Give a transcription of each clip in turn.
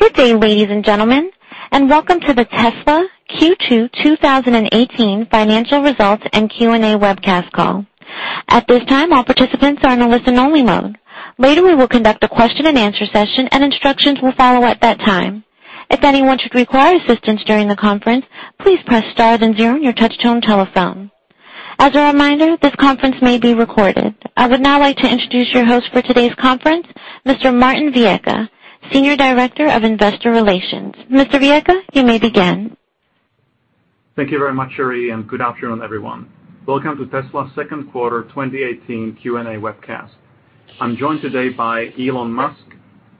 Good day, ladies and gentlemen, and welcome to the Tesla Q2 2018 financial results and Q&A webcast call. At this time, all participants are in a listen only mode. Later, we will conduct a question and answer session and instructions will follow at that time. If anyone should require assistance during the conference, please press star then zero on your touchtone telephone. As a reminder, this conference may be recorded. I would now like to introduce your host for today's conference, Mr. Martin Viecha, Senior Director of Investor Relations. Mr. Viecha, you may begin. Thank you very much, Shiree. Good afternoon, everyone. Welcome to Tesla's second quarter 2018 Q&A webcast. I'm joined today by Elon Musk,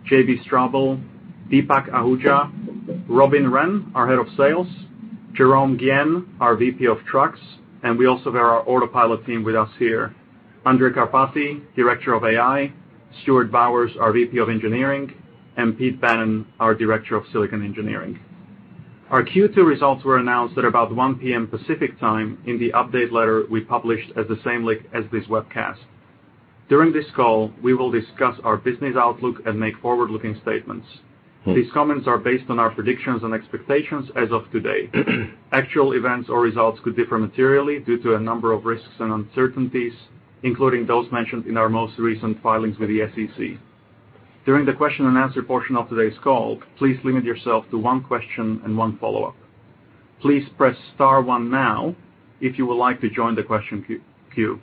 J.B. Straubel, Deepak Ahuja, Robin Ren, our Head of Sales, Jerome Guillen, our VP of Trucks, and we also have our Autopilot team with us here. Andrej Karpathy, Director of AI, Stuart Bowers, our VP of Engineering, and Peter Bannon, our Director of Silicon Engineering. Our Q2 results were announced at about 1:00 P.M. Pacific Time in the update letter we published at the same link as this webcast. During this call, we will discuss our business outlook and make forward-looking statements. These comments are based on our predictions and expectations as of today. Actual events or results could differ materially due to a number of risks and uncertainties, including those mentioned in our most recent filings with the SEC. During the question and answer portion of today's call, please limit yourself to one question and one follow-up. Please press star one now if you would like to join the question queue.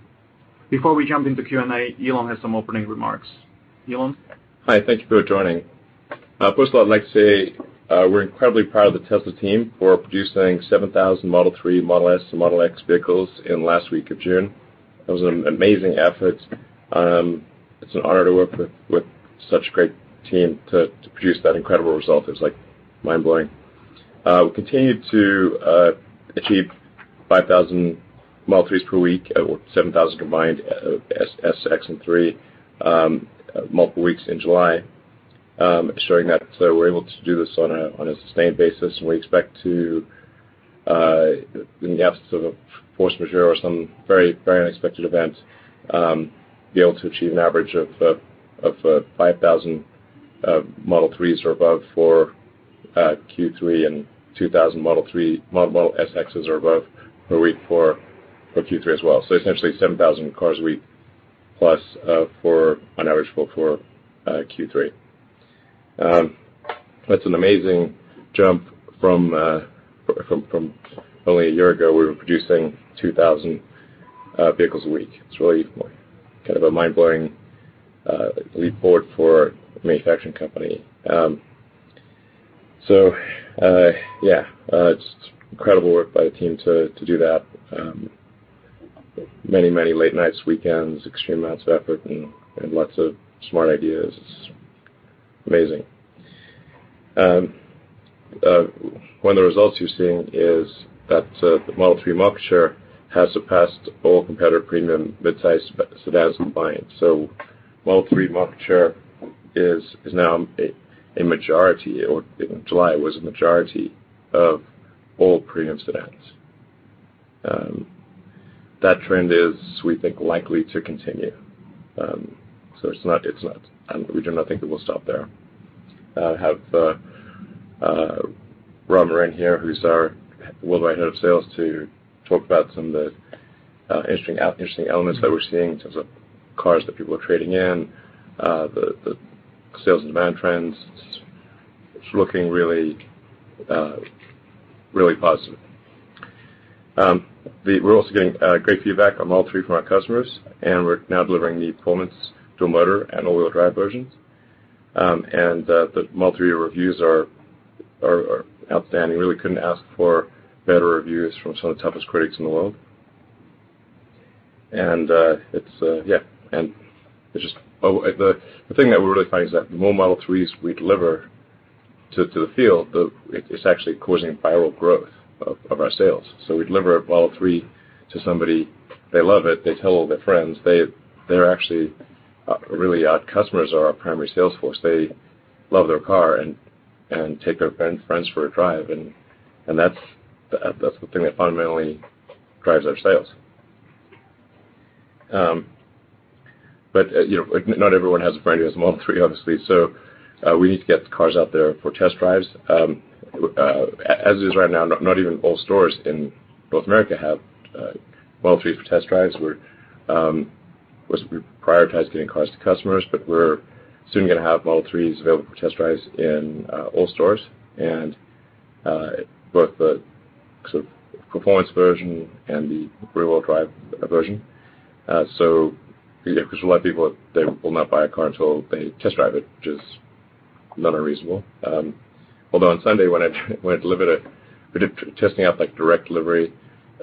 Before we jump into Q&A, Elon has some opening remarks. Elon? Hi, thank you for joining. First of all, I'd like to say we're incredibly proud of the Tesla team for producing 7,000 Model 3, Model S, and Model X vehicles in the last week of June. That was an amazing effort. It's an honor to work with such a great team to produce that incredible result. It's mind-blowing. We continued to achieve 5,000 Model 3s per week or 7,000 combined, S, X, and 3, multiple weeks in July, showing that we're able to do this on a sustained basis and we expect to, in the absence of force majeure or some very unexpected event, be able to achieve an average of 5,000 Model 3s or above for Q3 and 2,000 Model S, X's or above per week for Q3 as well. Essentially, 7,000 cars a week plus on average for Q3. That's an amazing jump from only a year ago, we were producing 2,000 vehicles a week. It's really a mind-blowing report for a manufacturing company. Yeah, it's incredible work by the team to do that. Many late nights, weekends, extreme amounts of effort, and lots of smart ideas. It's amazing. One of the results you're seeing is that the Model 3 market share has surpassed all competitor premium mid-size sedan volumes. Model 3 market share is now a majority, or in July, it was a majority of all premium sedans. That trend is, we think, likely to continue. We do not think it will stop there. I have Robin Ren here, who's our worldwide head of sales, to talk about some of the interesting elements that we're seeing in terms of cars that people are trading in, the sales and demand trends. It's looking really positive. We're also getting great feedback on Model 3 from our customers, and we're now delivering the performance dual motor and all-wheel drive versions. The Model 3 reviews are outstanding. Really couldn't ask for better reviews from some of the toughest critics in the world. The thing that we're really finding is that the more Model 3s we deliver to the field, it's actually causing viral growth of our sales. We deliver a Model 3 to somebody, they love it, they tell all their friends. Actually, really, our customers are our primary sales force. They love their car and take their friends for a drive, and that's the thing that fundamentally drives our sales. Not everyone has a friend who has a Model 3, obviously, so we need to get the cars out there for test drives. As it is right now, not even all stores in North America have Model 3s for test drives. We prioritize getting cars to customers, but we're soon going to have Model 3s available for test drives in all stores, and both the performance version and the rear wheel drive version. A lot of people, they will not buy a car until they test drive it, which is not unreasonable. Although on Sunday, when I delivered it, we did testing out direct delivery, which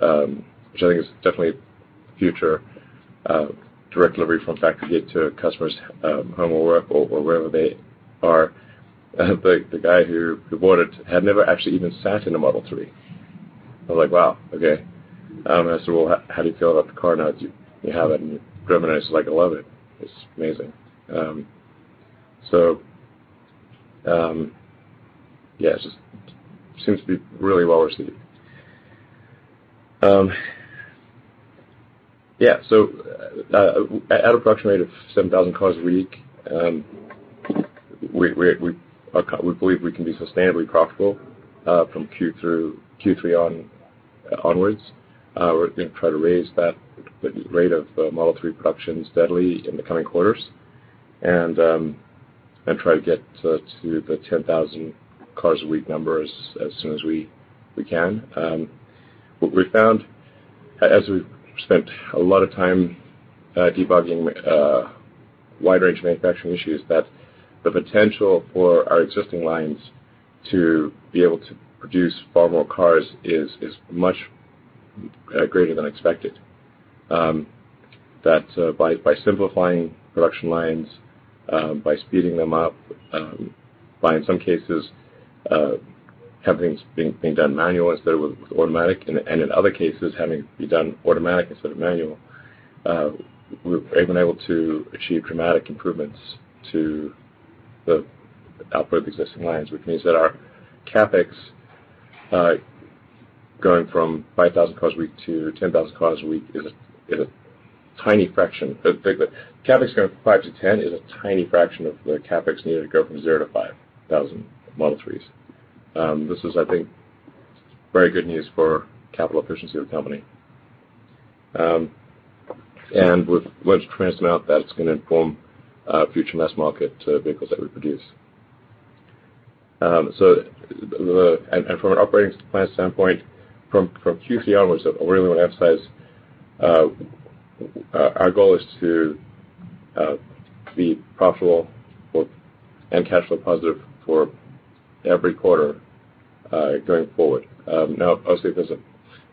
I think is definitely the future, direct delivery from factory to a customer's home or work or wherever they are. The guy who bought it had never actually even sat in a Model 3. I was like, "Wow, okay." I said, "Well, how do you feel about the car now that you have it and you've driven it?" He's like, "I love it. It's amazing." Yeah, it just seems to be really well received. Yeah. At an approximate rate of 7,000 cars a week, we believe we can be sustainably profitable from Q3 onwards. We're going to try to raise that rate of Model 3 production steadily in the coming quarters and try to get to the 10,000 cars a week number as soon as we can. What we've found, as we've spent a lot of time debugging a wide range of manufacturing issues, that the potential for our existing lines to be able to produce far more cars is much greater than expected. That by simplifying production lines, by speeding them up, by, in some cases, having things being done manual instead of automatic, and in other cases, having it be done automatic instead of manual, we've been able to achieve dramatic improvements to the output of existing lines. Which means that our CapEx, going from 5,000 cars a week to 10,000 cars a week is a tiny fraction. CapEx going from five to 10 is a tiny fraction of the CapEx needed to go from zero to 5,000 Model 3s. This is, I think, very good news for capital efficiency of the company. We're going to transfer them out, that's going to inform future mass-market vehicles that we produce. From an operating plan standpoint, from Q3 onwards, I really want to emphasize, our goal is to be profitable and cash flow positive for every quarter, going forward. Obviously, if there's a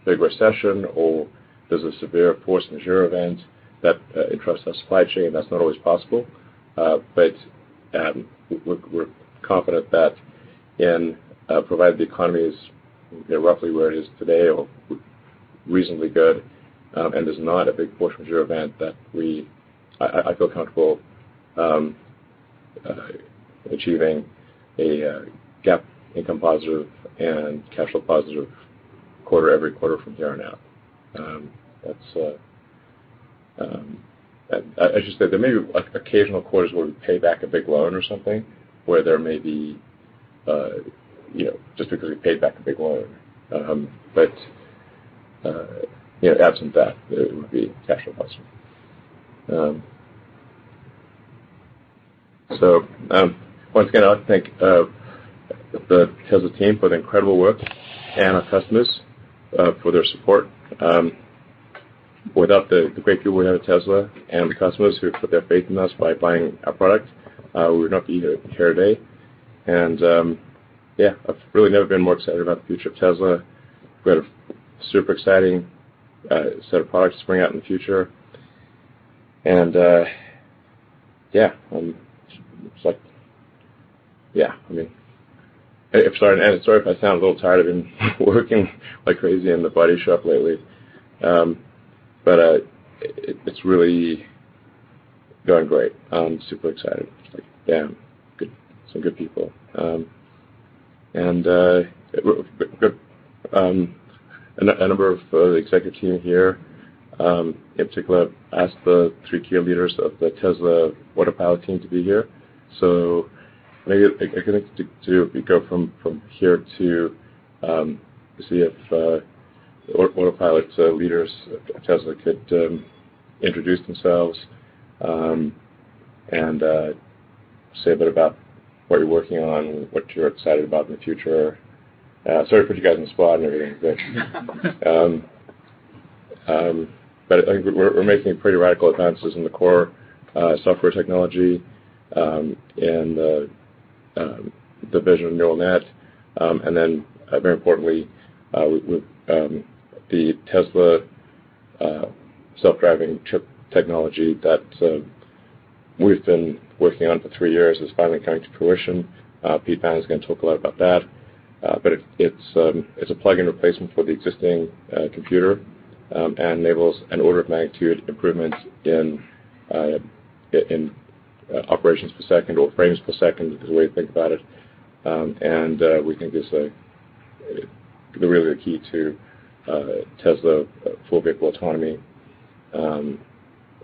big recession or there's a severe force majeure event that interrupts our supply chain, that's not always possible. We're confident that provided the economy is roughly where it is today or reasonably good and there's not a big force majeure event, that I feel comfortable achieving a GAAP income positive and cash flow positive quarter every quarter from here on out. As you said, there may be occasional quarters where we pay back a big loan or something, where there may be just because we paid back a big loan. Absent that, it would be cash flow positive. Once again, I thank the Tesla team for the incredible work and our customers for their support. Without the great people we have at Tesla and the customers who put their faith in us by buying our product, we would not be here today. Yeah, I've really never been more excited about the future of Tesla. We have a super exciting set of products to bring out in the future. Yeah. Sorry if I sound a little tired. I've been working like crazy in the body shop lately, but it's really going great. I'm super excited. Yeah. Good. Some good people. A number of the executive team here in particular, I asked the three key leaders of the Tesla Autopilot team to be here. Maybe I can go from here to see if the Autopilot leaders at Tesla could introduce themselves and say a bit about what you're working on and what you're excited about in the future. Sorry to put you guys on the spot and everything, but I think we're making pretty radical advances in the core software technology and the vision of neural net. Then very importantly, the Tesla self-driving chip technology that we've been working on for three years is finally coming to fruition. Peter Bannon's going to talk a lot about that. It's a plug-in replacement for the existing computer and enables an order of magnitude improvement in operations per second or frames per second, is the way to think about it. We think it's really the key to Tesla full vehicle autonomy.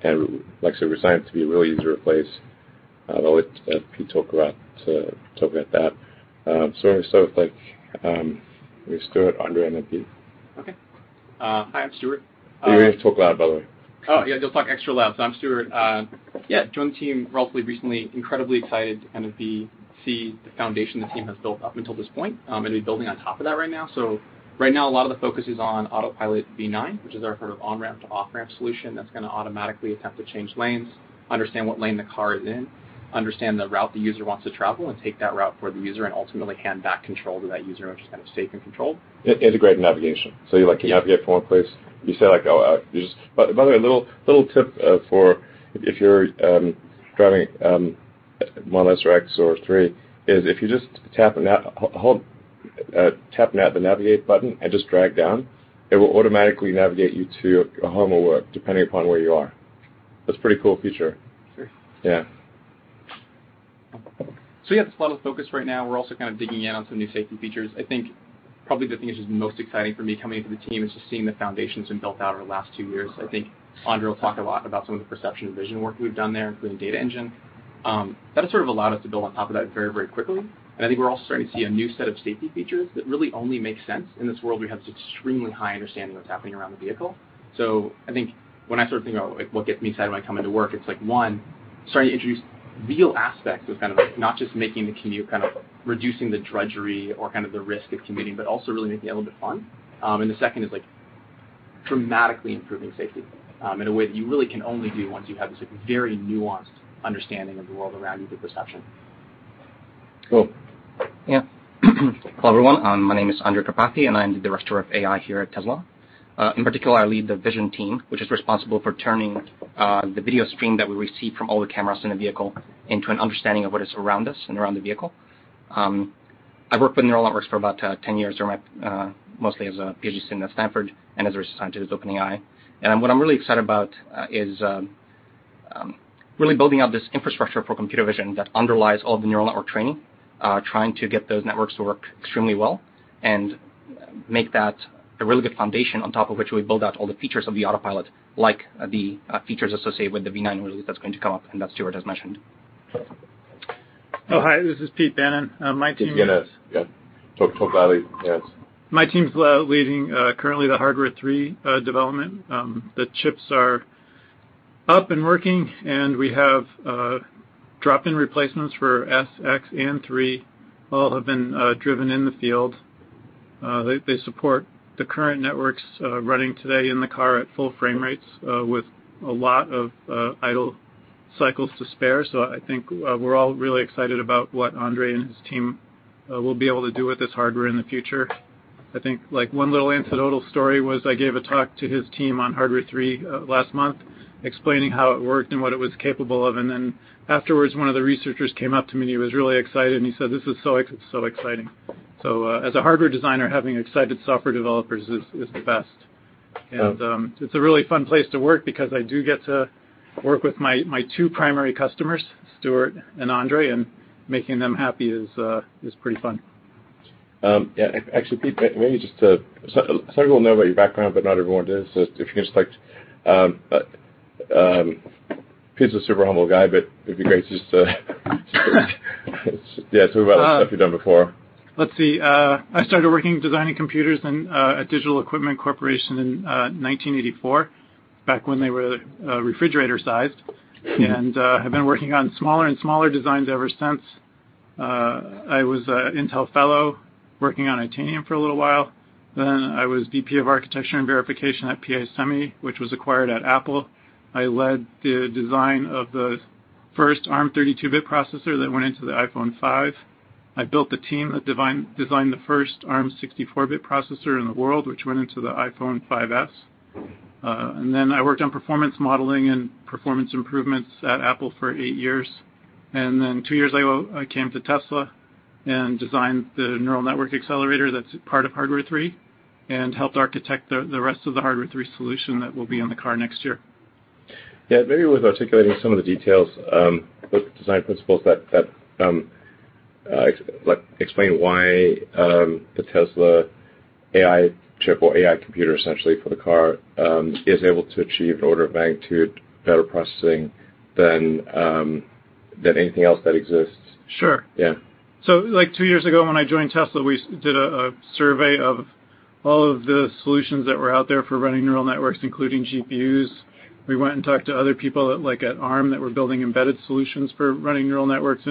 Like I said, we designed it to be really easy to replace. I'll let Pete talk about that. We'll start with Stuart, Andrej, and then Pete. Okay. Hi, I'm Stuart. You have to talk loud, by the way. Yeah, I'll talk extra loud. I'm Stuart. Yeah, joined the team relatively recently. Incredibly excited to kind of see the foundation the team has built up until this point and to be building on top of that right now. Right now, a lot of the focus is on Autopilot V9, which is our sort of on-ramp to off-ramp solution that's going to automatically attempt to change lanes, understand what lane the car is in, understand the route the user wants to travel, and take that route for the user, and ultimately hand back control to that user, which is kind of safe and controlled. Integrate navigation. You navigate from one place, you say like By the way, a little tip for if you're driving Model S or X or 3, is if you just tap Nav, the Navigate button, and just drag down, it will automatically navigate you to home or work, depending upon where you are. That's a pretty cool feature. Sure. Yeah. Yeah, that's a lot of focus right now. We're also kind of digging in on some new safety features. I think probably the thing which is most exciting for me coming into the team is just seeing the foundations being built out over the last two years. I think Andrej will talk a lot about some of the perception and vision work we've done there, including data engine. That has sort of allowed us to build on top of that very, very quickly, and I think we're also starting to see a new set of safety features that really only make sense in this world where we have this extremely high understanding of what's happening around the vehicle. I think when I sort of think about what gets me excited when I come into work, it's one, starting to introduce real aspects of kind of like not just making the commute, kind of reducing the drudgery or kind of the risk of commuting, but also really making it a little bit fun. The second is dramatically improving safety, in a way that you really can only do once you have this very nuanced understanding of the world around you through perception. Cool. Yeah. Hello, everyone. My name is Andrej Karpathy, and I'm the Director of AI here at Tesla. In particular, I lead the vision team, which is responsible for turning the video stream that we receive from all the cameras in the vehicle into an understanding of what is around us and around the vehicle. I've worked with neural networks for about 10 years, mostly as a PhD student at Stanford and as a research scientist at OpenAI. What I'm really excited about is really building out this infrastructure for computer vision that underlies all the neural network training; trying to get those networks to work extremely well and make that a really good foundation on top of which we build out all the features of the Autopilot, like the features associated with the V9 release that's going to come up, and that Stuart has mentioned. Oh, hi, this is Peter Bannon. My team is- Pete, yeah. Talk loudly. Yes. My team's leading currently the Hardware 3 development. The chips are up and working, and we have drop-in replacements for S, X, and 3. All have been driven in the field. They support the current networks running today in the car at full frame rates with a lot of idle cycles to spare. I think we're all really excited about what Andrej and his team will be able to do with this hardware in the future. I think one little anecdotal story was I gave a talk to his team on Hardware 3 last month explaining how it worked and what it was capable of. Afterwards, one of the researchers came up to me and he was really excited, and he said, "This is so exciting." As a hardware designer, having excited software developers is the best. Yeah. It's a really fun place to work because I do get to work with my two primary customers, Stuart and Andrej, and making them happy is pretty fun. Yeah. Actually, Pete, some people know about your background, but not everyone does. Pete's a super humble guy, but it'd be great just yeah, talk about the stuff you've done before. Let's see. I started working designing computers in a Digital Equipment Corporation in 1984, back when they were refrigerator sized, and have been working on smaller and smaller designs ever since. I was an Intel fellow working on Itanium for a little while, then I was VP of architecture and verification at P.A. Semi, which was acquired at Apple. I led the design of the first ARM 32-bit processor that went into the iPhone 5. I built the team that designed the first ARM 64-bit processor in the world, which went into the iPhone 5s. Then I worked on performance modeling and performance improvements at Apple for eight years. Then two years ago, I came to Tesla and designed the neural network accelerator that's part of Hardware 3 and helped architect the rest of the Hardware 3 solution that will be in the car next year. Yeah. Maybe worth articulating some of the details with the design principles that explain why the Tesla AI chip or AI computer essentially for the car is able to achieve an order of magnitude better processing than anything else that exists. Sure. Yeah. Two years ago when I joined Tesla, we did a survey of all of the solutions that were out there for running neural networks, including GPUs. We went and talked to other people at ARM that were building embedded solutions for running neural networks.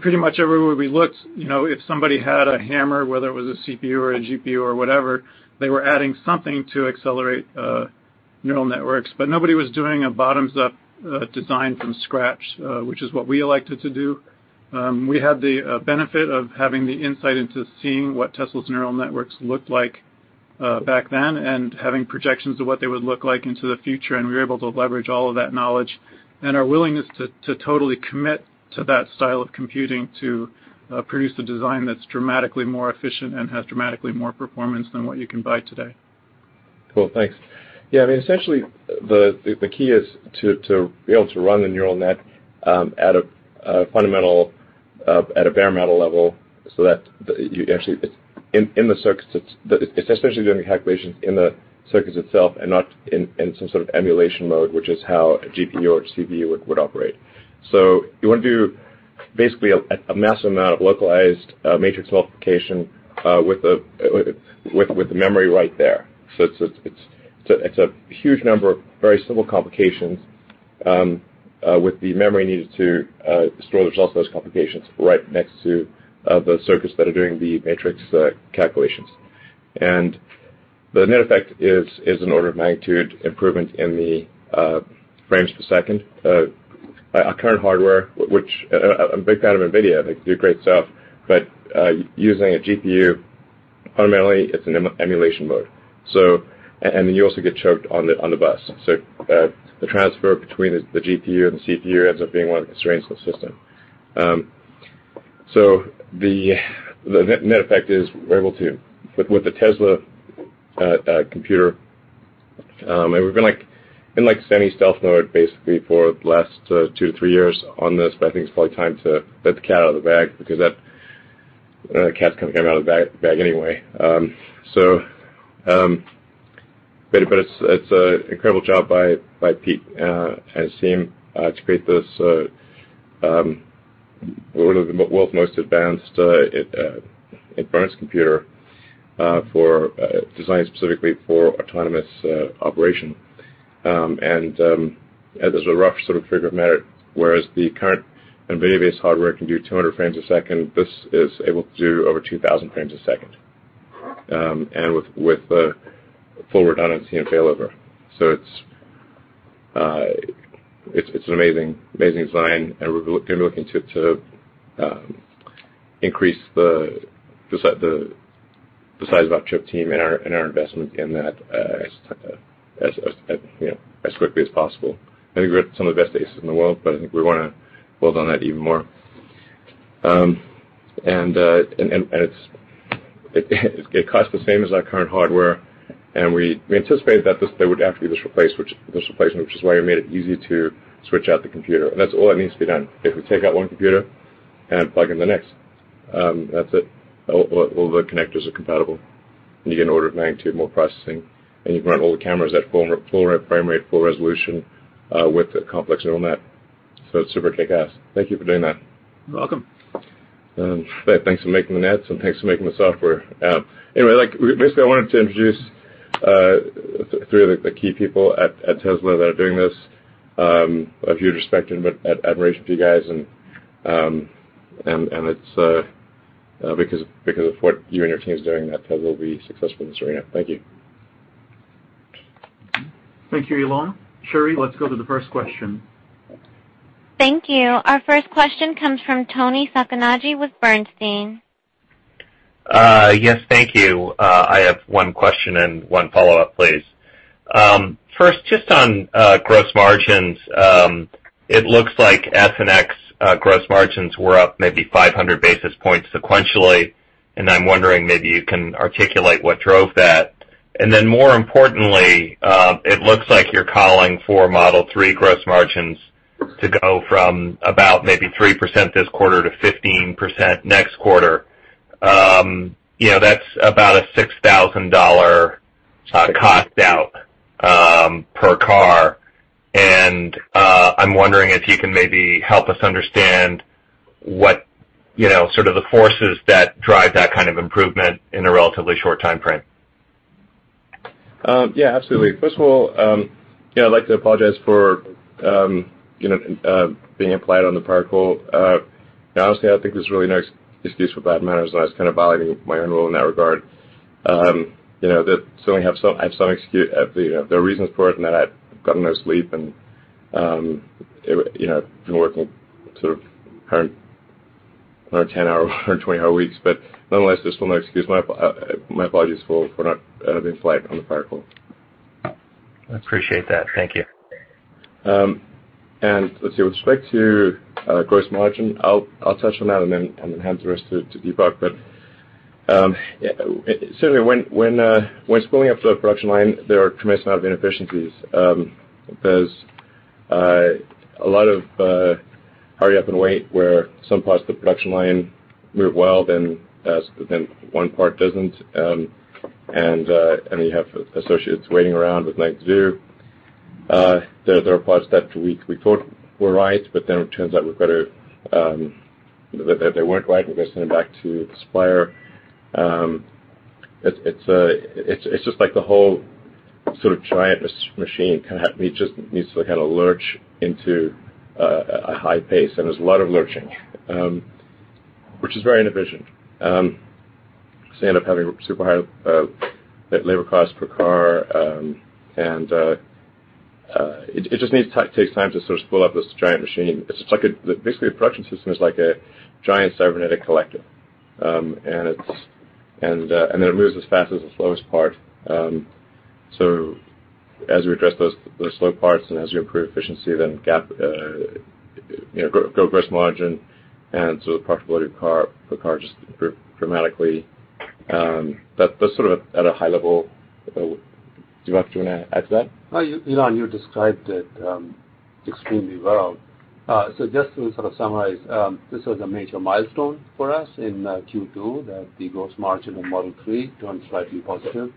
Pretty much everywhere we looked, if somebody had a hammer, whether it was a CPU or a GPU or whatever, they were adding something to accelerate neural networks. Nobody was doing a bottoms-up design from scratch, which is what we elected to do. We had the benefit of having the insight into seeing what Tesla's neural networks looked like back then and having projections of what they would look like into the future. We were able to leverage all of that knowledge and our willingness to totally commit to that style of computing to produce a design that's dramatically more efficient and has dramatically more performance than what you can buy today. Cool, thanks. Essentially, the key is to be able to run the neural net at a fundamental, at a bare metal level so that you actually, it's essentially doing the calculations in the circuits itself and not in some sort of emulation mode, which is how a GPU or CPU would operate. You want to do basically a massive amount of localized matrix multiplication with the memory right there. It's a huge number of very simple complications with the memory needed to store the results of those complications right next to the circuits that are doing the matrix calculations. The net effect is an order of magnitude improvement in the frames per second. Our current hardware, which I'm a big fan of Nvidia, they do great stuff, but using a GPU, fundamentally it's an emulation mode. Then you also get choked on the bus. The transfer between the GPU and the CPU ends up being one of the constraints of the system. The net effect is we're able to, with the Tesla computer. We've been in semi-stealth mode basically for the last two to three years on this, but I think it's probably time to let the cat out of the bag because that cat's kind of coming out of the bag anyway. It's a incredible job by Pete and his team to create this, one of the world's most advanced inference computer designed specifically for autonomous operation. As a rough sort of figure of merit, whereas the current Nvidia-based hardware can do 200 frames a second, this is able to do over 2,000 frames a second and with full redundancy and failover. It's an amazing design. We're going to be looking to increase the size of our chip team and our investment in that as quickly as possible. I think we've got some of the best aces in the world, I think we want to build on that even more. It costs the same as our current hardware. We anticipated that they would have to do this replacement, which is why we made it easy to switch out the computer. That's all that needs to be done. They can take out one computer and plug in the next. That's it. All the connectors are compatible, you get an order of magnitude more processing, and you can run all the cameras at full frame rate, full resolution, with a complex neural net. It's super kickass. Thank you for doing that. You're welcome. Thanks for making the nets and thanks for making the software. Basically, I wanted to introduce three of the key people at Tesla that are doing this. I have huge respect and admiration for you guys and it's because of what you and your team is doing that Tesla will be successful in this arena. Thank you. Thank you, Elon. Shiree, let's go to the first question. Thank you. Our first question comes from Toni Sacconaghi with Bernstein. Yes, thank you. I have one question and one follow-up, please. Just on gross margins, it looks like S and X gross margins were up maybe 500 basis points sequentially, and I'm wondering maybe you can articulate what drove that. More importantly, it looks like you're calling for Model 3 gross margins to go from about maybe 3% this quarter to 15% next quarter. That's about a $6,000 cost out per car, and I'm wondering if you can maybe help us understand what sort of the forces that drive that kind of improvement in a relatively short time frame. Absolutely. First of all, I'd like to apologize for being impolite on the prior call. Honestly, I think there's really no excuse for bad manners. I was kind of violating my own rule in that regard. There are reasons for it, in that I'd gotten no sleep and been working sort of current 110-hour, 120-hour weeks. Nonetheless, there's still no excuse. My apologies for not being polite on the prior call. I appreciate that. Thank you. Let's see. With respect to gross margin, I'll touch on that and then hand the rest to Deepak. Certainly, when spooling up to a production line, there are tremendous amount of inefficiencies. There's a lot of hurry up and wait, where some parts of the production line move well, one part doesn't, and you have associates waiting around with nothing to do. There are parts that we thought were right, it turns out they weren't right, and we've got to send them back to the supplier. It's just like the whole sort of giant machine kind of just needs to lurch into a high pace. There's a lot of lurching, which is very inefficient because you end up having super high labor cost per car. It just takes time to sort of spool up this giant machine. Basically, a production system is like a giant cybernetic collective. It moves as fast as the slowest part. As we address those slow parts and as we improve efficiency, then grow gross margin and sort of profitability per car just improve dramatically. That's sort of at a high level. Deepak, do you want to add to that? No, Elon, you described it extremely well. Just to sort of summarize, this was a major milestone for us in Q2, that the gross margin of Model 3 turned slightly positive.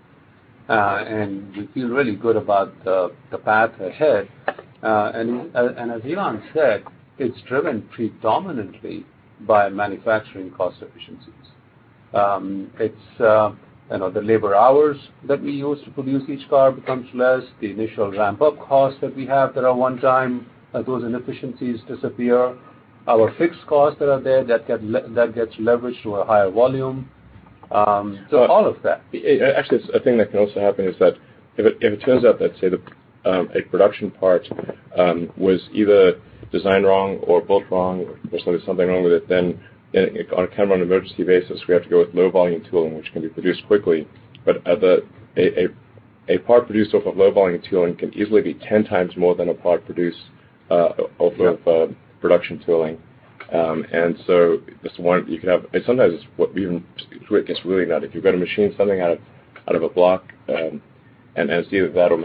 We feel really good about the path ahead. As Elon said, it's driven predominantly by manufacturing cost efficiencies. The labor hours that we use to produce each car becomes less. The initial ramp-up costs that we have that are one-time, those inefficiencies disappear. Our fixed costs that are there, that gets leveraged to a higher volume. All of that. Actually, a thing that can also happen is that if it turns out that, say, a production part was either designed wrong or built wrong or there's something wrong with it, then on a kind of on an emergency basis, we have to go with low volume tooling, which can be produced quickly. A part produced off of low volume tooling can easily be 10 times more than a part produced off of production tooling. This one you can have. Sometimes it gets really nutty. If you've got to machine something out of a block, and it's either that or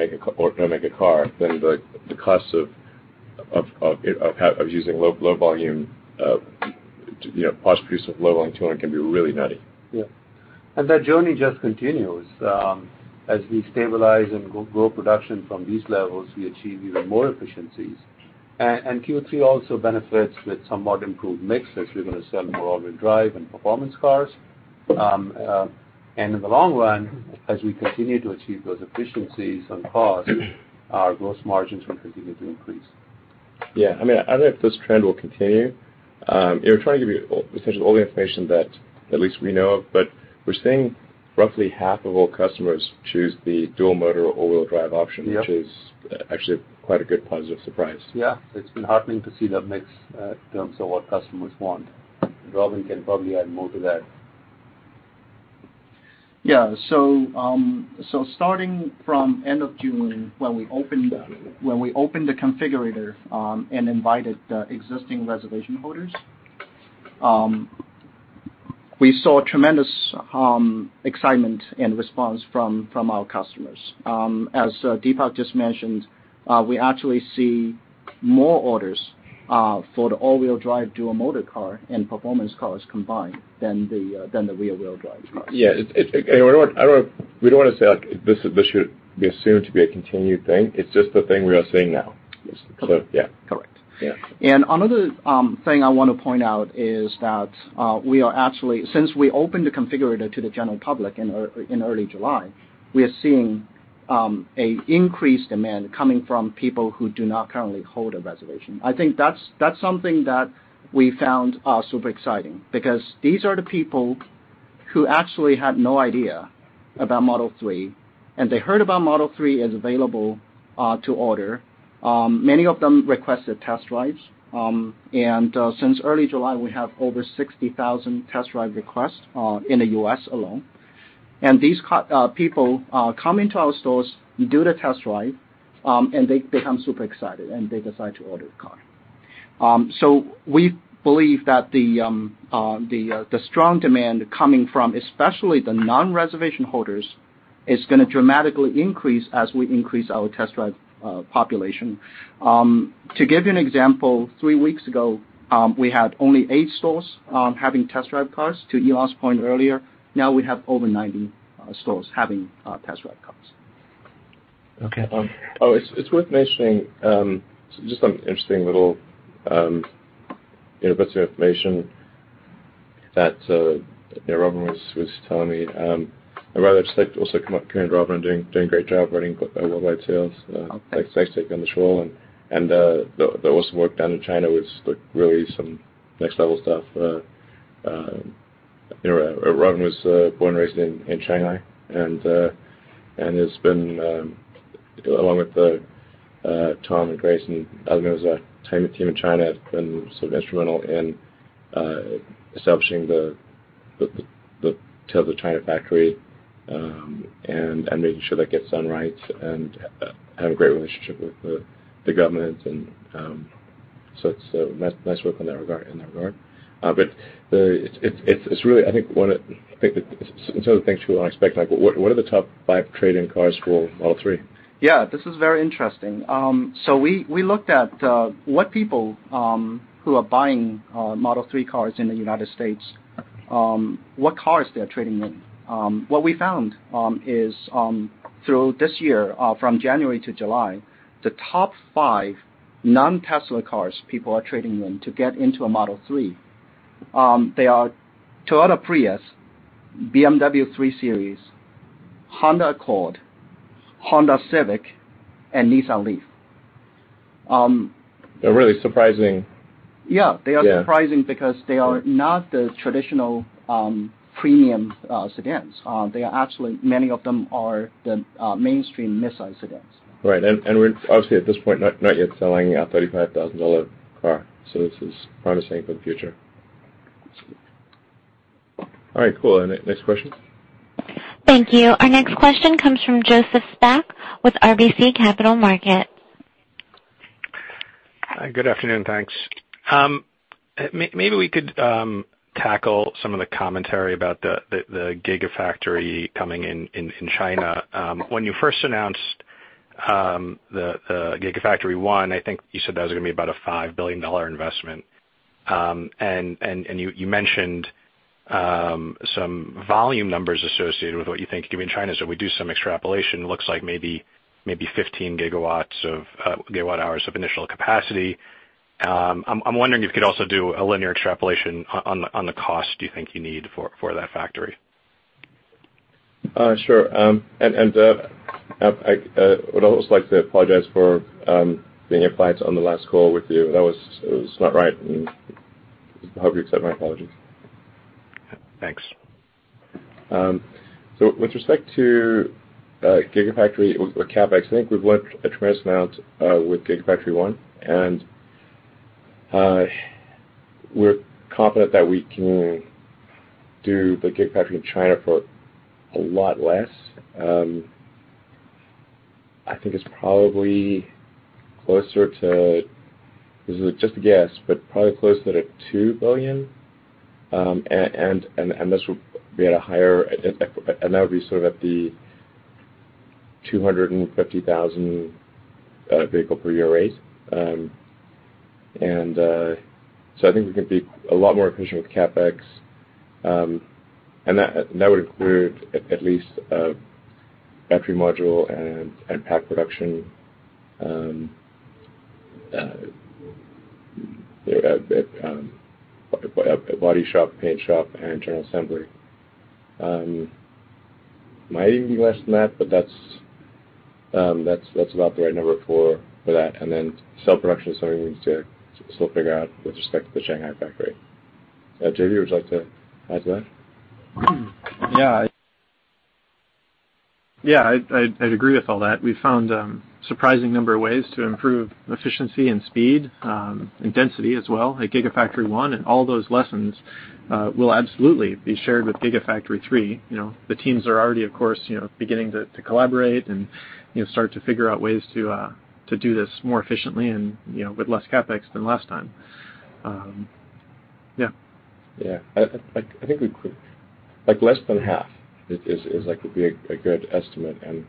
going to make a car, then the cost of using low volume, cost of producing low volume tooling can be really nutty. Yeah. That journey just continues. As we stabilize and grow production from these levels, we achieve even more efficiencies. Q3 also benefits with somewhat improved mix, as we're going to sell more all-wheel drive and performance cars. In the long run, as we continue to achieve those efficiencies and costs, our gross margins will continue to increase. Yeah. I don't know if this trend will continue. We're trying to give you essentially all the information that at least we know of, we're seeing roughly half of all customers choose the dual motor all-wheel drive option- Yeah which is actually quite a good positive surprise. Yeah. It's been heartening to see that mix in terms of what customers want. Robin can probably add more to that. Yeah. Starting from end of June, when we opened the configurator, and invited the existing reservation holders, we saw tremendous excitement and response from our customers. As Deepak just mentioned, we actually see more orders for the all-wheel drive dual motor car and performance cars combined than the rear wheel drive cars. Yeah. We don't want to say, like, this should be assumed to be a continued thing. It's just the thing we are seeing now. Yes. Yeah. Correct. Yeah. Another thing I want to point out is that since we opened the configurator to the general public in early July, we are seeing an increased demand coming from people who do not currently hold a reservation. I think that's something that we found super exciting, because these are the people who actually had no idea about Model 3, and they heard about Model 3 as available to order. Many of them requested test drives, and since early July, we have over 60,000 test drive requests in the U.S. alone. These people come into our stores, do the test drive, and they become super excited, and they decide to order the car. We believe that the strong demand coming from, especially the non-reservation holders, is going to dramatically increase as we increase our test drive population. To give you an example, three weeks ago, we had only eight stores having test drive cars. To Elon's point earlier, now we have over 90 stores having test drive cars. Okay. It's worth mentioning, just an interesting little bit of information that Robin was telling me. I'd rather just also commend Robin doing a great job running worldwide sales. Oh, thank you. Thanks taking on this role and the awesome work done in China was really some next-level stuff. Robin was born and raised in Shanghai, and along with Tom and Grayson, as well as our team in China, has been sort of instrumental in establishing the Tesla China factory, and making sure that gets done right, and have a great relationship with the government. It's nice work in that regard. Some of the things people don't expect, like what are the top five trade-in cars for Model 3? Yeah, this is very interesting. We looked at what people who are buying Model 3 cars in the United States, what cars they're trading in. What we found is, through this year, from January to July, the top five non-Tesla cars people are trading in to get into a Model 3, they are Toyota Prius, BMW 3 Series, Honda Accord, Honda Civic, and Nissan Leaf. They're really surprising. Yeah. Yeah. They are surprising because they are not the traditional premium sedans. Actually, many of them are the mainstream mid-size sedans. Right. We're obviously, at this point, not yet selling a $35,000 car, this is promising for the future. All right, cool. Next question. Thank you. Our next question comes from Joseph Spak with RBC Capital Markets. Good afternoon, thanks. Maybe we could tackle some of the commentary about the Gigafactory coming in China. When you first announced the Gigafactory 1, I think you said that was going to be about a $5 billion investment. You mentioned some volume numbers associated with what you think could be in China. We do some extrapolation, it looks like maybe 15 gigawatt hours of initial capacity. I'm wondering if you could also do a linear extrapolation on the cost you think you need for that factory. Sure. I would also like to apologize for being impolite on the last call with you. That was not right, and I hope you accept my apologies. Thanks. With respect to Gigafactory CapEx, I think we've learned a tremendous amount with Gigafactory 1, we're confident that we can do the Gigafactory in China for a lot less. I think it's probably closer to, this is just a guess, but probably closer to $2 billion. That would be at a higher, that would be sort of at the 250,000 vehicle per year rate. I think we can be a lot more efficient with CapEx. That would include at least a battery module and pack production, a body shop, paint shop and general assembly. Might even be less than that, but that's about the right number for that. Then cell production is something we need to still figure out with respect to the Shanghai factory. JB, would you like to add to that? Yeah. I'd agree with all that. We found a surprising number of ways to improve efficiency and speed, and density as well at Gigafactory 1, all those lessons will absolutely be shared with Gigafactory 3. The teams are already, of course, beginning to collaborate and start to figure out ways to do this more efficiently and with less CapEx than last time. Yeah. Yeah. I think we could, like less than half would be a good estimate and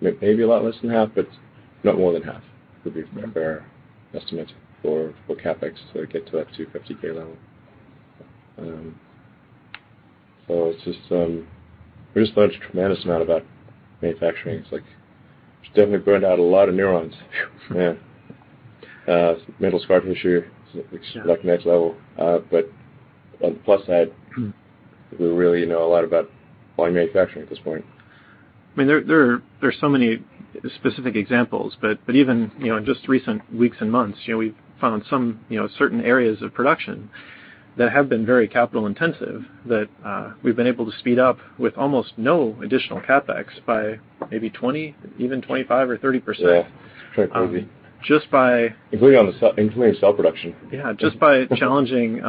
maybe a lot less than half, but not more than half would be a fair estimate for CapEx to get to that 250,000 level. We just learned a tremendous amount about manufacturing. It's definitely burned out a lot of neurons. Man. Sure It's like next level. On the plus side. We really know a lot about volume manufacturing at this point. There are so many specific examples, but even in just recent weeks and months, we've found certain areas of production that have been very capital intensive that we've been able to speed up with almost no additional CapEx by maybe 20%, even 25% or 30%. Yeah. It's very crazy. Just by- Including on the cell production. Yeah. Just by challenging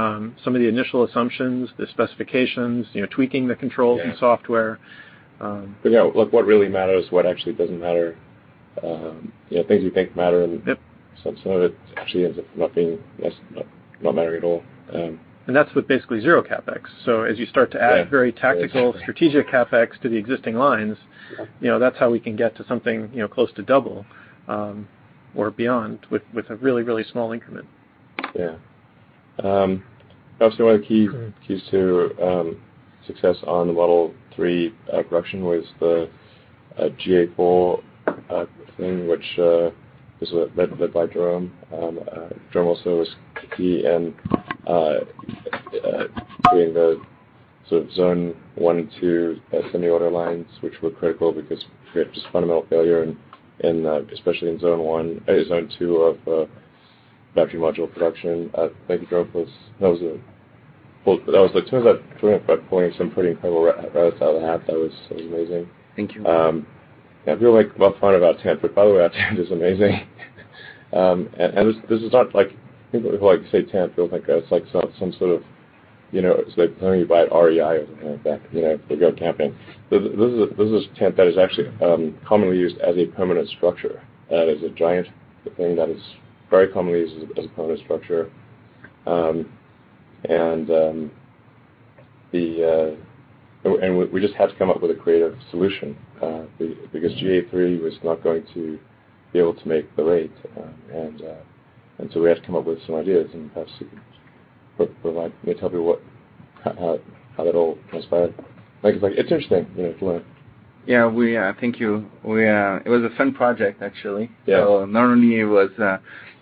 some of the initial assumptions, the specifications, tweaking the controls- Yeah and software. yeah, what really matters, what actually doesn't matter. Things we think matter. Yep some of it actually ends up not mattering at all. That's with basically zero CapEx. As you start to add. Yeah very tactical, strategic CapEx to the existing lines. Yeah That's how we can get to something close to double, or beyond with a really, really small increment. Yeah. That was one of the. Keys to success on the Model 3 production was the GA4 thing, which was led by Jerome. Jerome also was key in doing the sort of zone 1 and 2 assembly order lines, which were critical because we had just fundamental failure, and especially in zone 2 of battery module production. Thank you, Jerome. That was, in terms of like pulling some pretty incredible rabbits out of the hat, that was amazing. Thank you. People make fun about our tent, but by the way, our tent is amazing. People who say tent build like that, it's like some sort of, it's like telling me to buy at REI or something like that to go camping. This is a tent that is actually commonly used as a permanent structure. That is a giant thing that is very commonly used as a permanent structure. We just had to come up with a creative solution, because GA3 was not going to be able to make the rate. We had to come up with some ideas, and perhaps you may tell people how that all transpired. It's interesting to learn. Yeah. Thank you. It was a fun project, actually. Yeah. Not only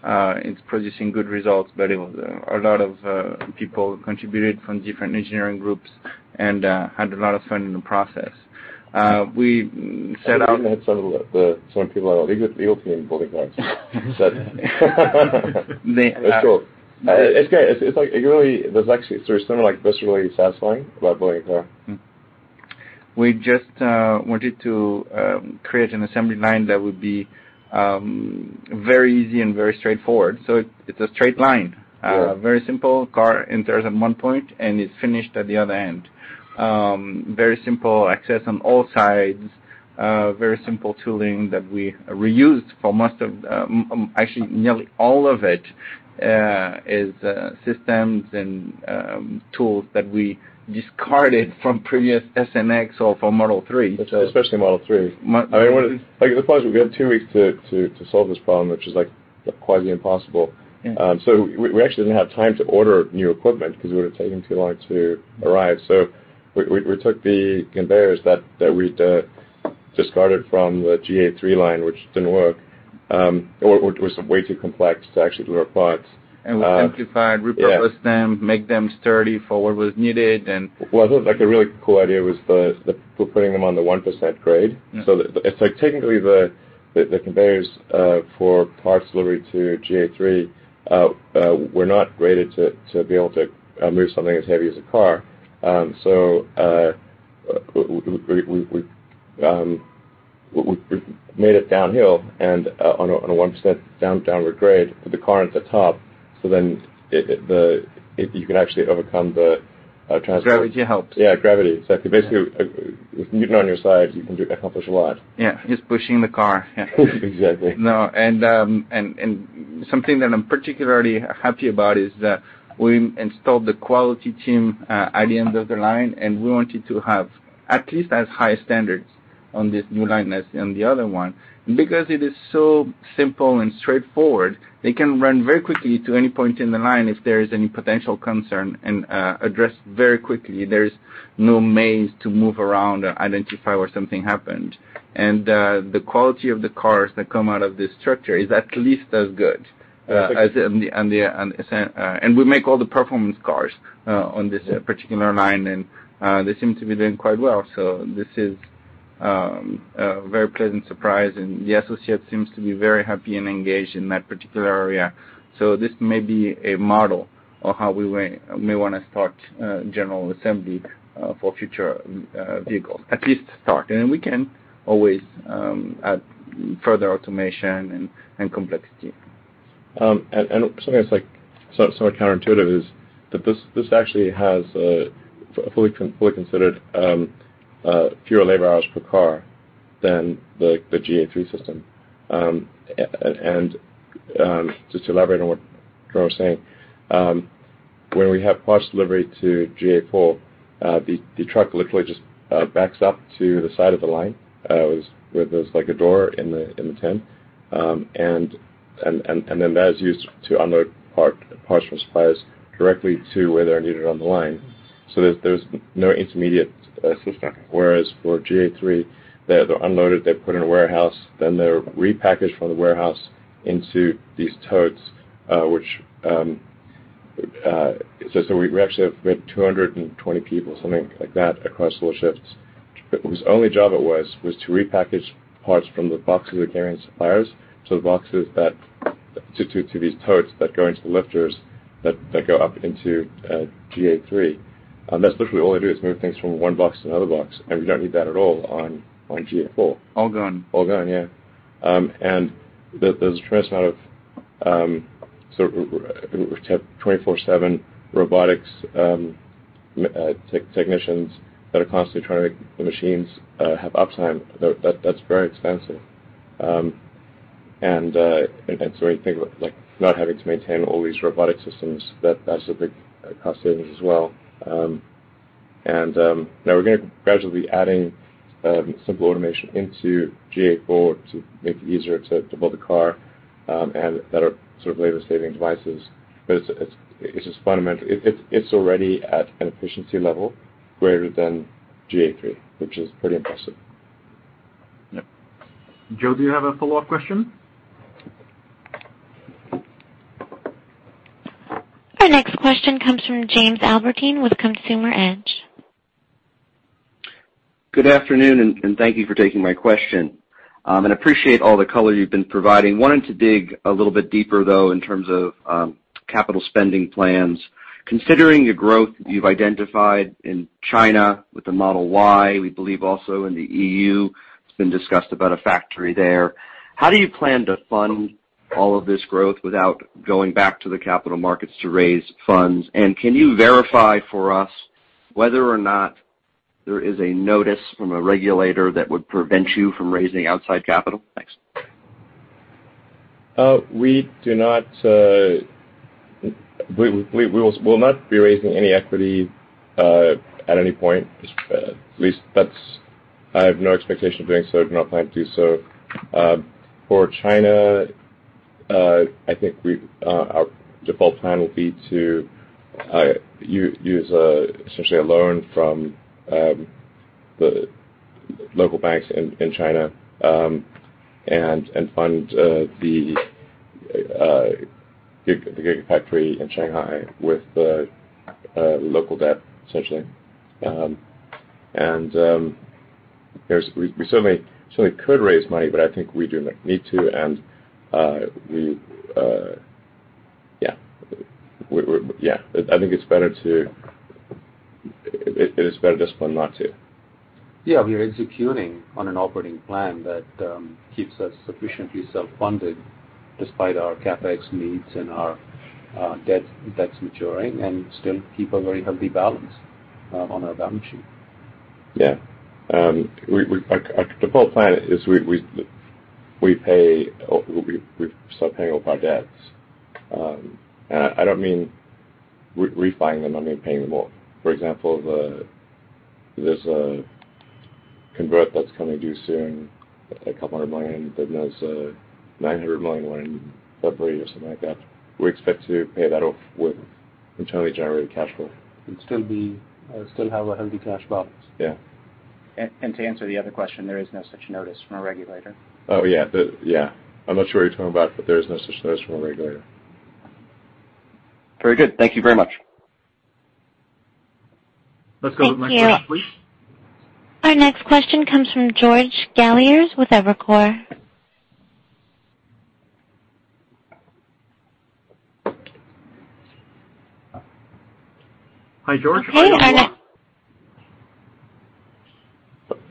it's producing good results, but a lot of people contributed from different engineering groups and had a lot of fun in the process. We even had some of the people on the legal team building cars. They- That's cool. It's great. There's something viscerally satisfying about building a car. We just wanted to create an assembly line that would be very easy and very straightforward. It's a straight line. Yeah. Very simple. Car enters at one point and it's finished at the other end. Very simple access on all sides. Very simple tooling that we reused for most of Actually, nearly all of it is systems and tools that we discarded from previous S and X or from Model 3. Especially Model 3. The problem is we have two weeks to solve this problem, which is quite the impossible. Yeah. We actually didn't have time to order new equipment because it would've taken too long to arrive. We took the conveyors that we'd discarded from the GA3 line, which didn't work, or was way too complex to actually do our parts. We simplified- Yeah Repurposed them, make them sturdy for what was needed and- Well, I thought a really cool idea was putting them on the 1% grade. Yeah. Technically, the conveyors for parts delivery to GA3 were not graded to be able to move something as heavy as a car. We made it downhill and on a 1% downward grade. Put the car at the top, then you can actually overcome the- Gravity helps. Yeah, gravity. Exactly. With Newton on your side, you can accomplish a lot. Yeah. Just pushing the car. Yeah. Exactly. No. Something that I'm particularly happy about is that we installed the quality team at the end of the line, and we wanted to have at least as high standards on this new line as in the other one. Because it is so simple and straightforward, they can run very quickly to any point in the line if there is any potential concern, and address very quickly. There's no maze to move around or identify where something happened. The quality of the cars that come out of this structure is at least as good. We make all the performance cars on this particular line, and they seem to be doing quite well. This is a very pleasant surprise, and the associates seems to be very happy and engaged in that particular area. This may be a model of how we may want to start general assembly for future vehicles. At least to start. We can always add further automation and complexity. Something that's counterintuitive is that this actually has a fully considered fewer labor hours per car than the GA3 system. Just to elaborate on what Jerome was saying, when we have parts delivery to GA4, the truck literally just backs up to the side of the line, where there's a door in the tent. Then that is used to unload parts from suppliers directly to where they're needed on the line, so there's no intermediate system. Whereas for GA3, they're unloaded, they're put in a warehouse, then they're repackaged from the warehouse into these totes. We actually have 220 people, something like that, across all shifts, whose only job it was to repackage parts from the boxes that came from suppliers to these totes that go into the lifters, that go up into GA3. That's literally all they do, is move things from one box to another box, and we don't need that at all on GA4. All gone. All gone, yeah. There's a tremendous amount of, so we have 24/7 robotics technicians that are constantly trying to make the machines have uptime. That's very expensive. When you think about not having to maintain all these robotic systems, that's a big cost savings as well. Now we're gradually adding simple automation into GA4 to make it easier to build a car, and that are labor-saving devices. It's already at an efficiency level greater than GA3, which is pretty impressive. Yep. Joe, do you have a follow-up question? Our next question comes from Jamie Albertine with Consumer Edge. Good afternoon. Thank you for taking my question. Appreciate all the color you've been providing. I wanted to dig a little bit deeper, though, in terms of capital spending plans. Considering the growth you've identified in China with the Model Y, we believe also in the EU, it's been discussed about a factory there, how do you plan to fund all of this growth without going back to the capital markets to raise funds? Can you verify for us whether or not there is a notice from a regulator that would prevent you from raising outside capital? Thanks. We'll not be raising any equity at any point. At least, I have no expectation of doing so, do not plan to do so. For China, I think our default plan will be to use essentially a loan from the local banks in China, and fund the Gigafactory in Shanghai with local debt, essentially. We certainly could raise money, but I think we don't need to. Yeah. I think it is better discipline not to. Yeah, we are executing on an operating plan that keeps us sufficiently self-funded, despite our CapEx needs and our debts maturing, and still keep a very healthy balance on our balance sheet. Yeah. Our default plan is we start paying off our debts. I don't mean [refining] them, I mean paying them off. For example, there's a convert that's coming due soon, a couple hundred million, then there's a $900 million one in February or something like that. We expect to pay that off with internally generated cash flow. Still have a healthy cash balance. Yeah. To answer the other question, there is no such notice from a regulator. Yeah. I'm not sure what you're talking about, there is no such notice from a regulator. Very good. Thank you very much. Let's go to the next question, please. Thank you. Our next question comes from George Galliers with Evercore. Hi, George. Hey, George.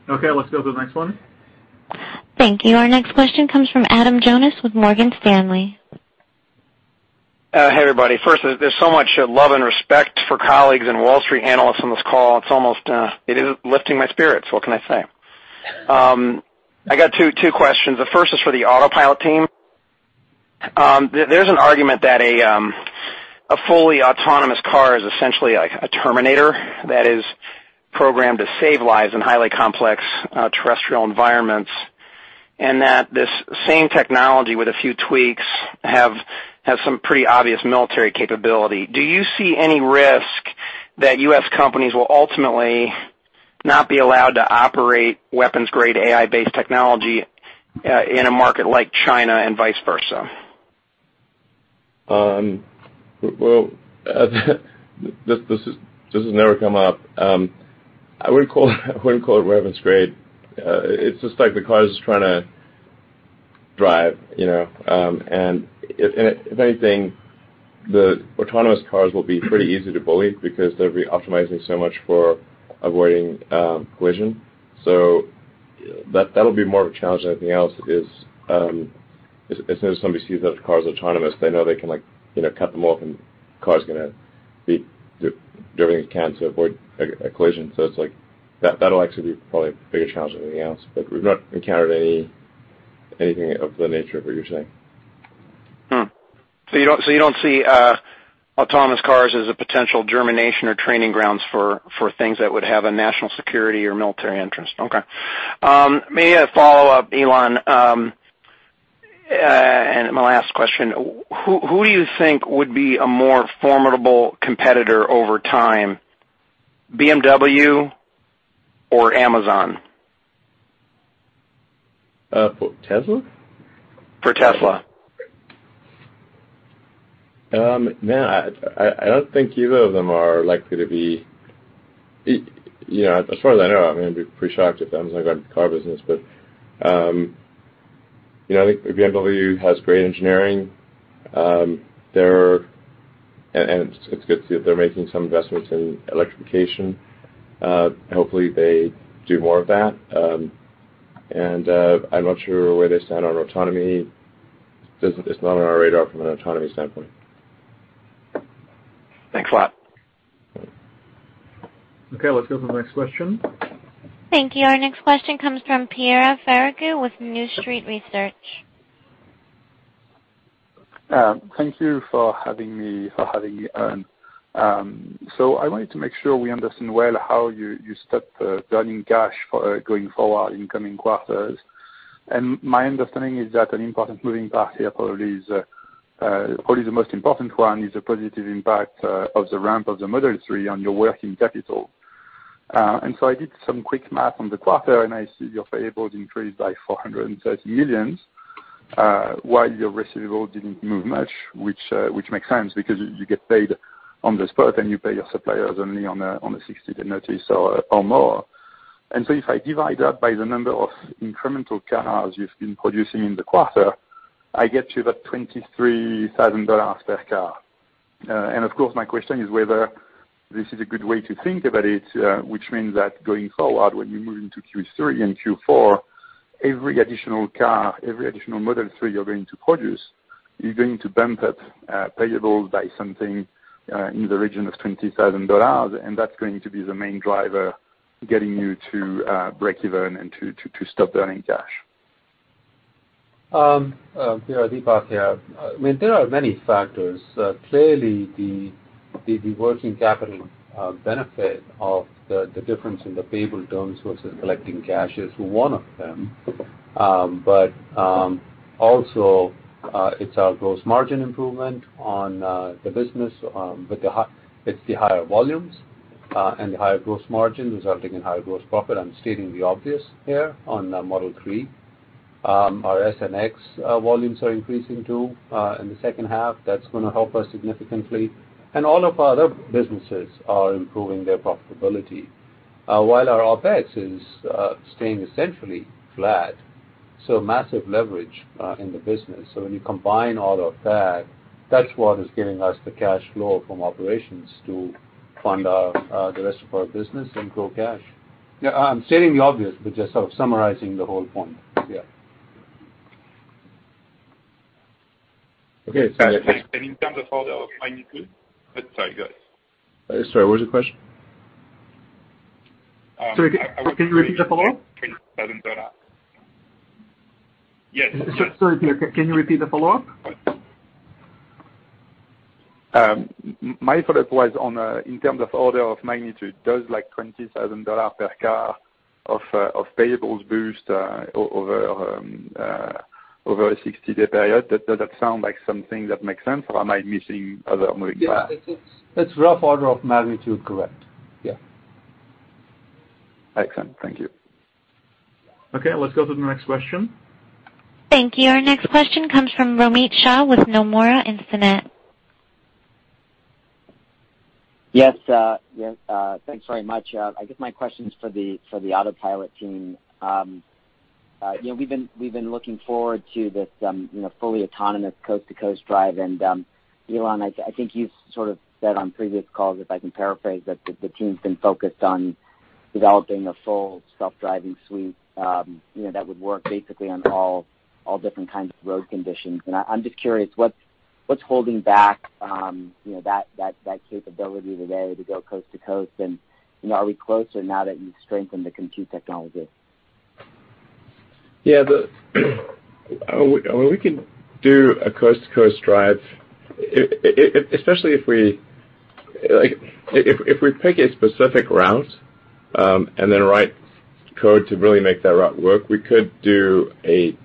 Okay, let's go to the next one. Thank you. Our next question comes from Adam Jonas with Morgan Stanley. Hey, everybody. There's so much love and respect for colleagues and Wall Street analysts on this call. It is lifting my spirits, what can I say? I got two questions. The first is for the Autopilot team. There's an argument that a fully autonomous car is essentially like a terminator that is programmed to save lives in highly complex terrestrial environments, and that this same technology, with a few tweaks, has some pretty obvious military capability. Do you see any risk that U.S. companies will ultimately not be allowed to operate weapons-grade AI-based technology in a market like China and vice versa? Well, this has never come up. I wouldn't call it weapons-grade. It's just like the car is just trying to drive. If anything, the autonomous cars will be pretty easy to bully because they'll be optimizing so much for avoiding collision. That'll be more of a challenge than anything else is, as soon as somebody sees that the car is autonomous, they know they can cut them off and the car's going to be doing what it can to avoid a collision. That'll actually be probably a bigger challenge than anything else. We've not encountered anything of the nature of what you're saying. You don't see autonomous cars as a potential germination or training grounds for things that would have a national security or military interest? Okay. May I follow up, Elon? My last question, who do you think would be a more formidable competitor over time, BMW or Amazon? For Tesla? For Tesla. Man, I don't think either of them are likely. As far as I know, I'm going to be pretty shocked if Amazon got in the car business. I think BMW has great engineering, and it's good to see that they're making some investments in electrification. Hopefully, they do more of that. I'm not sure where they stand on autonomy. It's not on our radar from an autonomy standpoint. Thanks a lot. Okay, let's go to the next question. Thank you. Our next question comes from Pierre Ferragu with New Street Research. Thank you for having me, Elon. I wanted to make sure we understand well how you stop burning cash for going forward in coming quarters. My understanding is that an important moving part here, probably the most important one, is the positive impact of the ramp of the Model 3 on your working capital. I did some quick math on the quarter, and I see your payables increased by $430 million, while your receivables didn't move much, which makes sense because you get paid on the spot and you pay your suppliers only on a 60-day notice or more. If I divide that by the number of incremental cars you've been producing in the quarter, I get you that $23,000 per car. Of course, my question is whether this is a good way to think about it which means that going forward, when you move into Q3 and Q4, every additional car, every additional Model 3 you're going to produce, you're going to bump up payables by something in the region of $20,000, and that's going to be the main driver getting you to break even and to stop burning cash. Pierre, Deepak here. There are many factors. Clearly, the working capital benefit of the difference in the payable terms versus collecting cash is one of them. Also, it's our gross margin improvement on the business. It's the higher volumes and the higher gross margins resulting in higher gross profit. I'm stating the obvious here on Model 3. Our S and X volumes are increasing, too, in the second half. That's going to help us significantly. All of our other businesses are improving their profitability. While our OpEx is staying essentially flat, massive leverage in the business. When you combine all of that's what is giving us the cash flow from operations to fund the rest of our business and grow cash. I'm stating the obvious, but just sort of summarizing the whole point. Yeah. Okay. In terms of order of magnitude. Sorry, go ahead. Sorry, what was the question? Sorry, can you repeat the follow-up? $20,000. Yes. Sorry, Pierre, can you repeat the follow-up? My follow-up was on, in terms of order of magnitude, does like $20,000 per car of payables boost over a 60-day period, does that sound like something that makes sense, or am I missing other moving parts? Yeah, that's rough order of magnitude correct. Yeah. Excellent. Thank you. Let's go to the next question. Thank you. Our next question comes from Romit Shah with Nomura Instinet. Thanks very much. I guess my question is for the Autopilot team. We've been looking forward to this fully autonomous coast-to-coast drive. Elon, I think you've said on previous calls, if I can paraphrase, that the team's been focused on developing a Full Self-Driving suite that would work basically on all different kinds of road conditions. I'm just curious, what's holding back that capability today to go coast to coast? Are we closer now that you've strengthened the compute technology? Yeah. We can do a coast-to-coast drive, especially if we pick a specific route and then write code to really make that route work, we could do a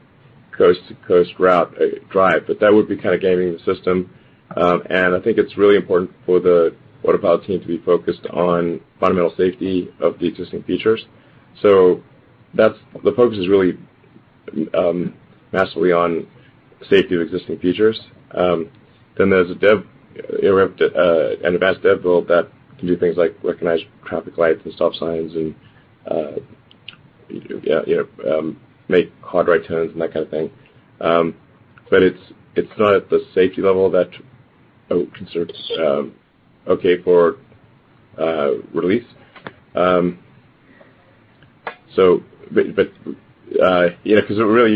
coast-to-coast route drive, but that would be kind of gaming the system. I think it's really important for the Autopilot team to be focused on fundamental safety of the existing features. The focus is really massively on safety of existing features. There's an advanced dev build that can do things like recognize traffic lights and stop signs and make hard right turns and that kind of thing. It's not at the safety level that conserves okay for release. Really,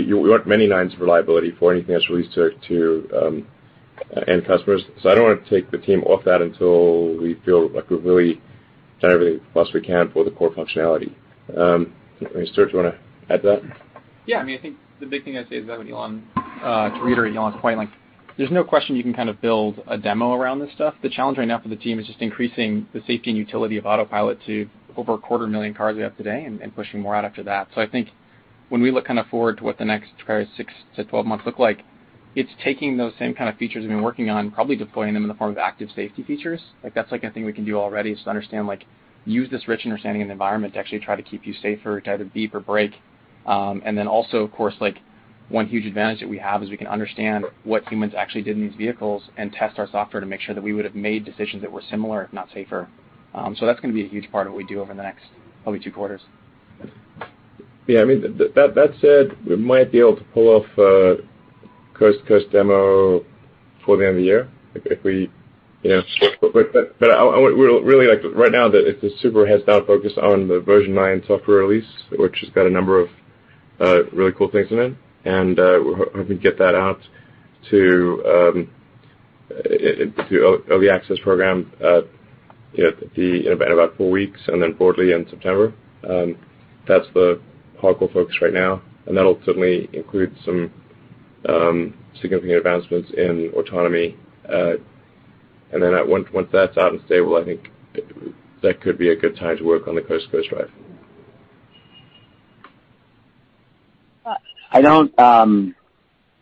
we want many nines of reliability for anything that's released to end customers. I don't want to take the team off that until we feel like we've really done everything plus we can for the core functionality. I mean, Stuart, do you want to add that? Yeah. I think the big thing I'd say is that when Elon. To reiterate Elon's point, there's no question you can build a demo around this stuff. The challenge right now for the team is just increasing the safety and utility of Autopilot to over a quarter million cars we have today and pushing more out after that. I think when we look forward to what the next 6 to 12 months look like, it's taking those same kind of features we've been working on, probably deploying them in the form of active safety features. That's a thing we can do already, is to understand, use this rich understanding of the environment to actually try to keep you safer, to either beep or brake. Also, of course, one huge advantage that we have is we can understand what humans actually did in these vehicles and test our software to make sure that we would have made decisions that were similar, if not safer. That's going to be a huge part of what we do over the next probably two quarters. That said, we might be able to pull off a coast-to-coast demo before the end of the year. Really, right now, the super heads-down focus on the Version 9 software release, which has got a number of really cool things in it, and hoping to get that out to early access program in about four weeks, and then broadly in September. That's the hardcore focus right now, and that'll certainly include some significant advancements in autonomy. Once that's out and stable, I think that could be a good time to work on the coast-to-coast drive. I don't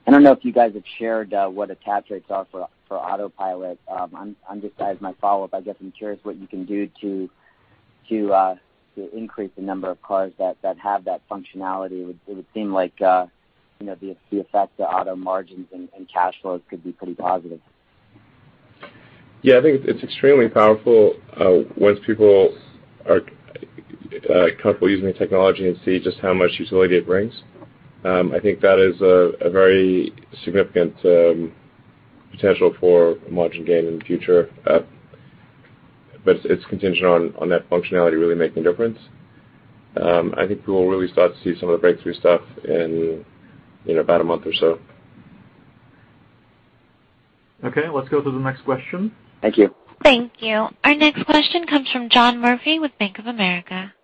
know if you guys have shared what attach rates are for Autopilot. Just as my follow-up, I guess I'm curious what you can do to increase the number of cars that have that functionality. It would seem like the effect to auto margins and cash flows could be pretty positive. I think it's extremely powerful once people are comfortable using the technology and see just how much utility it brings. I think that is a very significant potential for margin gain in the future, but it's contingent on that functionality really making a difference. I think we will really start to see some of the breakthrough stuff in about a month or so. Let's go to the next question. Thank you. Thank you. Our next question comes from John Murphy with Bank of America.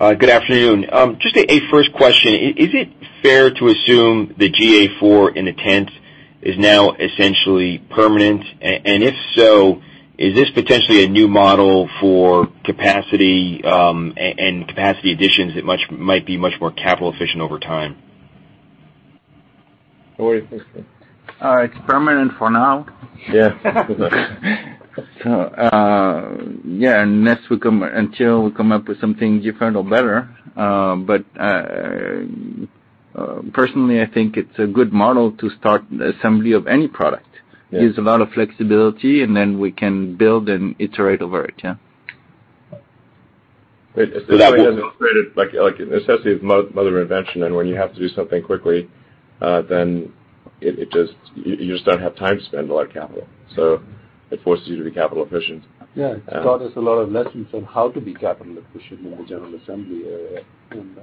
Good afternoon. Just a first question. Is it fair to assume the GA4 in the tent is now essentially permanent? If so, is this potentially a new model for capacity and capacity additions that might be much more capital efficient over time? What do you think, Stan? It's permanent for now. Yeah. Yeah, unless or until we come up with something different or better. Personally, I think it's a good model to start assembly of any product. Yeah. There's a lot of flexibility, then we can build and iterate over it, yeah. It's definitely demonstrated the necessity of mother invention, when you have to do something quickly then you just don't have time to spend a lot of capital, it forces you to be capital efficient. Yeah. It taught us a lot of lessons on how to be capital efficient in the general assembly area. In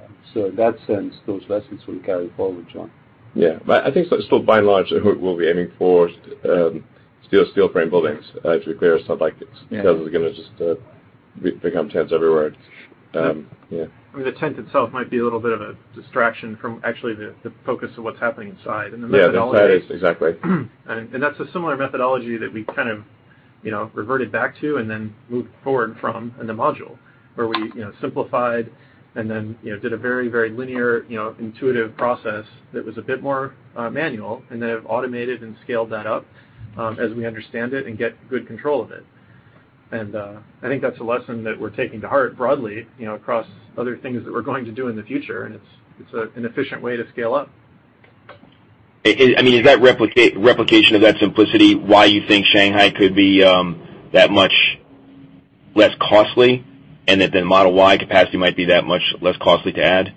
that sense, those lessons will carry forward, John. Yeah. I think still, by and large, we'll be aiming for steel frame buildings. To be clear, it's not like this is going to just become tents everywhere. Yeah. The tent itself might be a little bit of a distraction from actually the focus of what's happening inside. Yeah, inside it. Exactly. That's a similar methodology that we kind of reverted back to then moved forward from in the module where we simplified then did a very linear, intuitive process that was a bit more manual then have automated and scaled that up as we understand it and get good control of it. I think that's a lesson that we're taking to heart broadly across other things that we're going to do in the future, it's an efficient way to scale up. Is that replication of that simplicity why you think Shanghai could be that much less costly that then Model Y capacity might be that much less costly to add?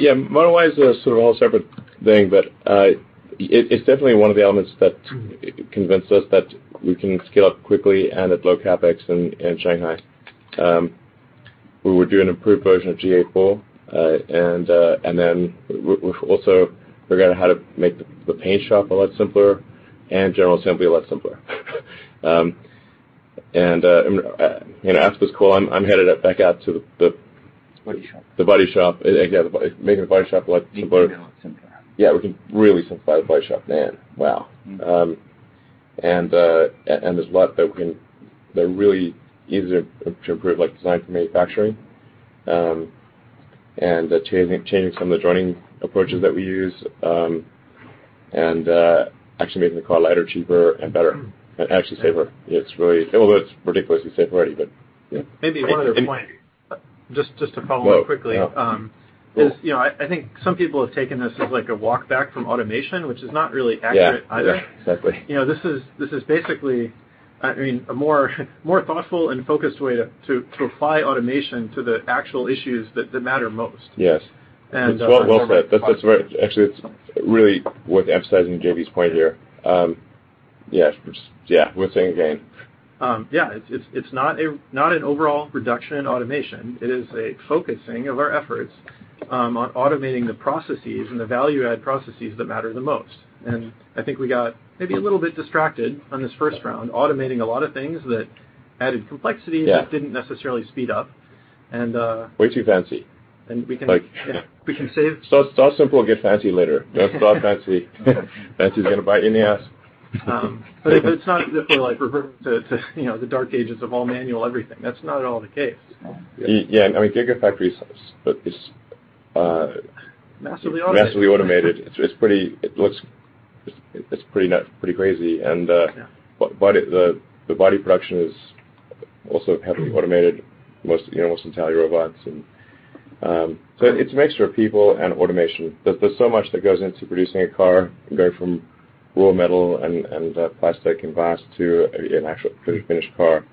Yeah. Model Y is a sort of whole separate thing, it's definitely one of the elements that convinced us that we can scale up quickly at low CapEx in Shanghai. We would do an improved version of GA4, then we've also figured out how to make the paint shop a lot simpler general assembly a lot simpler. ASP is cool. I'm headed back out to the- Body shop the body shop, again, making the body shop a lot simpler. Making a lot simpler. Yeah. We can really simplify the body shop. Man. Wow. There's a lot that we can They're really easier to improve, like design from manufacturing, and changing some of the joining approaches that we use, and actually making the car lighter, cheaper, and better. Actually safer. Although it's ridiculously safe already, but yeah. Maybe one other point, just to follow up quickly. Whoa. Yeah. I think some people have taken this as like a walk back from automation, which is not really accurate either. Yeah. Exactly. This is basically a more thoughtful and focused way to apply automation to the actual issues that matter most. Yes. Well said. Actually, it's really worth emphasizing JB's point here. Yeah. Worth saying again. Yeah. It's not an overall reduction in automation. It is a focusing of our efforts on automating the processes and the value add processes that matter the most. I think we got maybe a little bit distracted on this first round, automating a lot of things that added complexity- Yeah that didn't necessarily speed up and- Way too fancy We can Like- Yeah. Start simple, get fancy later. Don't start fancy. Fancy is going to bite you in the ass. It's not as if we're like reverting to the dark ages of all manual everything. That's not at all the case. Yeah. Gigafactory is. Massively automated. Massively automated. It's pretty crazy. Yeah The body production is also heavily automated, with almost entirely robots. It's a mixture of people and automation. There's so much that goes into producing a car, going from raw metal and plastic and glass to an actual finished car.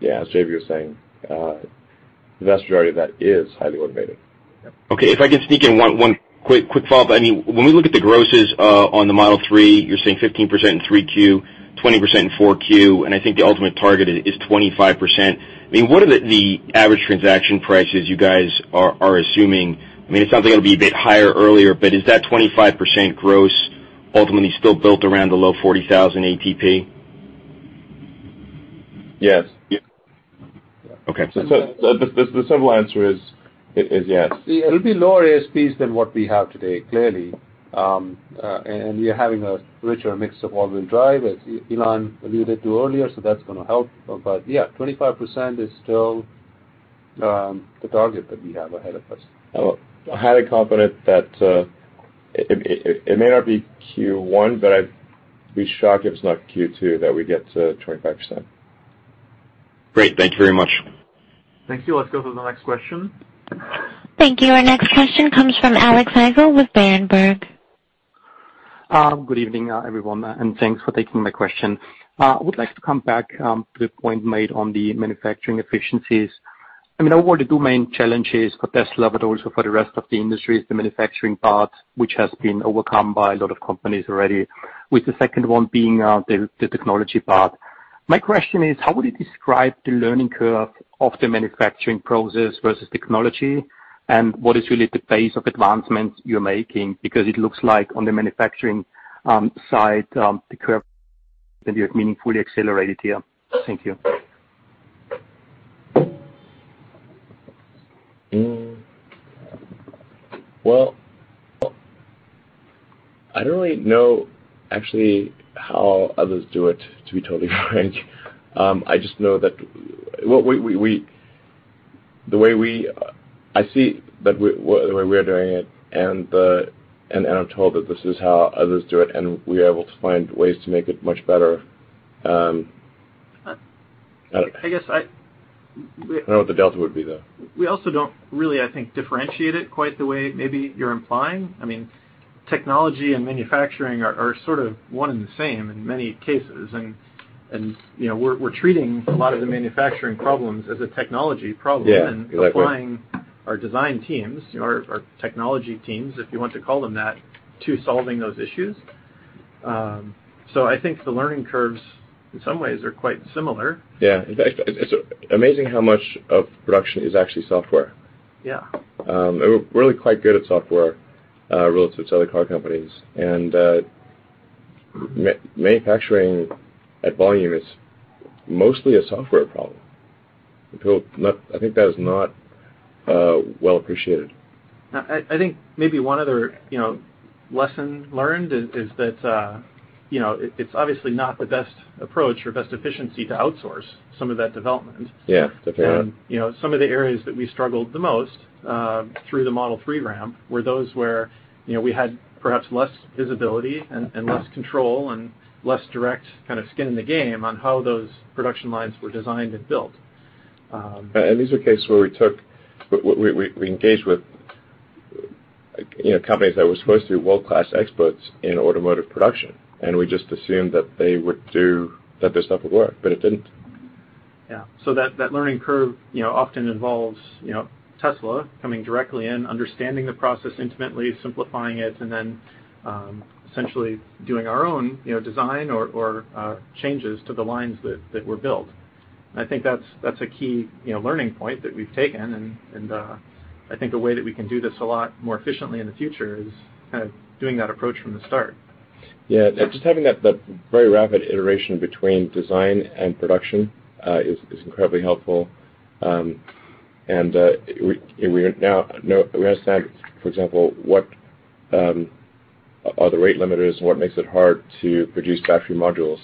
Yeah, as JB was saying, the vast majority of that is highly automated. Okay. If I can sneak in one quick follow-up. When we look at the grosses on the Model 3, you're saying 15% in three Q, 20% in four Q, and I think the ultimate target is 25%. What are the average transaction prices you guys are assuming? It sounds like it'll be a bit higher earlier, but is that 25% gross ultimately still built around the low 40,000 ATP? Yes. Okay. The simple answer is yes. It'll be lower ASPs than what we have today, clearly. We are having a richer mix of all-wheel drive, as Elon alluded to earlier, so that's going to help. Yeah, 25% is still the target that we have ahead of us. Highly confident that it may not be Q1, but I'd be shocked if it's not Q2, that we get to 25%. Great. Thank you very much. Thank you. Let's go to the next question. Thank you. Our next question comes from Alexander Haissl with Berenberg. Good evening, everyone. Thanks for taking my question. I would like to come back to the point made on the manufacturing efficiencies. I mean, overall, the two main challenges for Tesla, but also for the rest of the industry, is the manufacturing part, which has been overcome by a lot of companies already, with the second one being the technology part. My question is, how would you describe the learning curve of the manufacturing process versus technology, and what is really the pace of advancement you're making? It looks like on the manufacturing side, the curve that you have meaningfully accelerated here. Thank you. Well, I don't really know actually how others do it, to be totally frank. I just know that the way we are doing it, and I'm told that this is how others do it, and we are able to find ways to make it much better. I guess I don't know what the delta would be, though We also don't really, I think, differentiate it quite the way maybe you're implying. Technology and manufacturing are sort of one and the same in many cases, and we're treating a lot of the manufacturing problems as a technology problem. Yeah, exactly. Applying our design teams, our technology teams, if you want to call them that, to solving those issues. I think the learning curves, in some ways, are quite similar. Yeah. In fact, it's amazing how much of production is actually software. Yeah. We're really quite good at software relative to other car companies, and manufacturing at volume is mostly a software problem. I think that is not well appreciated. I think maybe one other lesson learned is that it's obviously not the best approach or best efficiency to outsource some of that development. Yeah. Definitely. Some of the areas that we struggled the most through the Model 3 ramp were those where we had perhaps less visibility and less control and less direct kind of skin in the game on how those production lines were designed and built. These are cases where we engaged with companies that were supposed to be world-class experts in automotive production, and we just assumed that their stuff would work, but it didn't. Yeah. That learning curve often involves Tesla coming directly in, understanding the process intimately, simplifying it, and then essentially doing our own design or changes to the lines that were built. I think that's a key learning point that we've taken, and I think the way that we can do this a lot more efficiently in the future is kind of doing that approach from the start. Yeah. Just having that very rapid iteration between design and production is incredibly helpful. We now understand, for example, what are the rate limiters and what makes it hard to produce factory modules.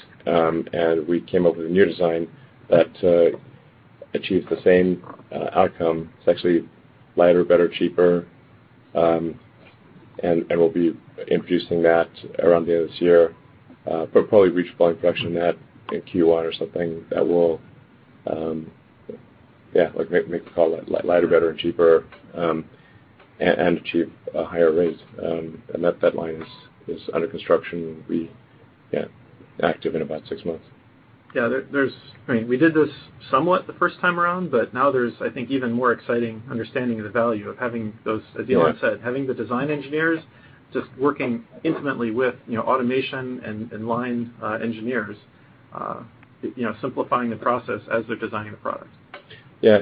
We came up with a new design that achieves the same outcome. It's actually lighter, better, cheaper, and we'll be introducing that around the end of this year. Probably reach full production of that in Q1 or something. That will make the car lighter, better, and cheaper, and achieve higher rates. That line is under construction and will be active in about six months. Yeah. We did this somewhat the first time around, now there's, I think, even more exciting understanding of the value of having those, as Elon said, having the design engineers just working intimately with automation and line engineers, simplifying the process as they're designing the product. Yeah.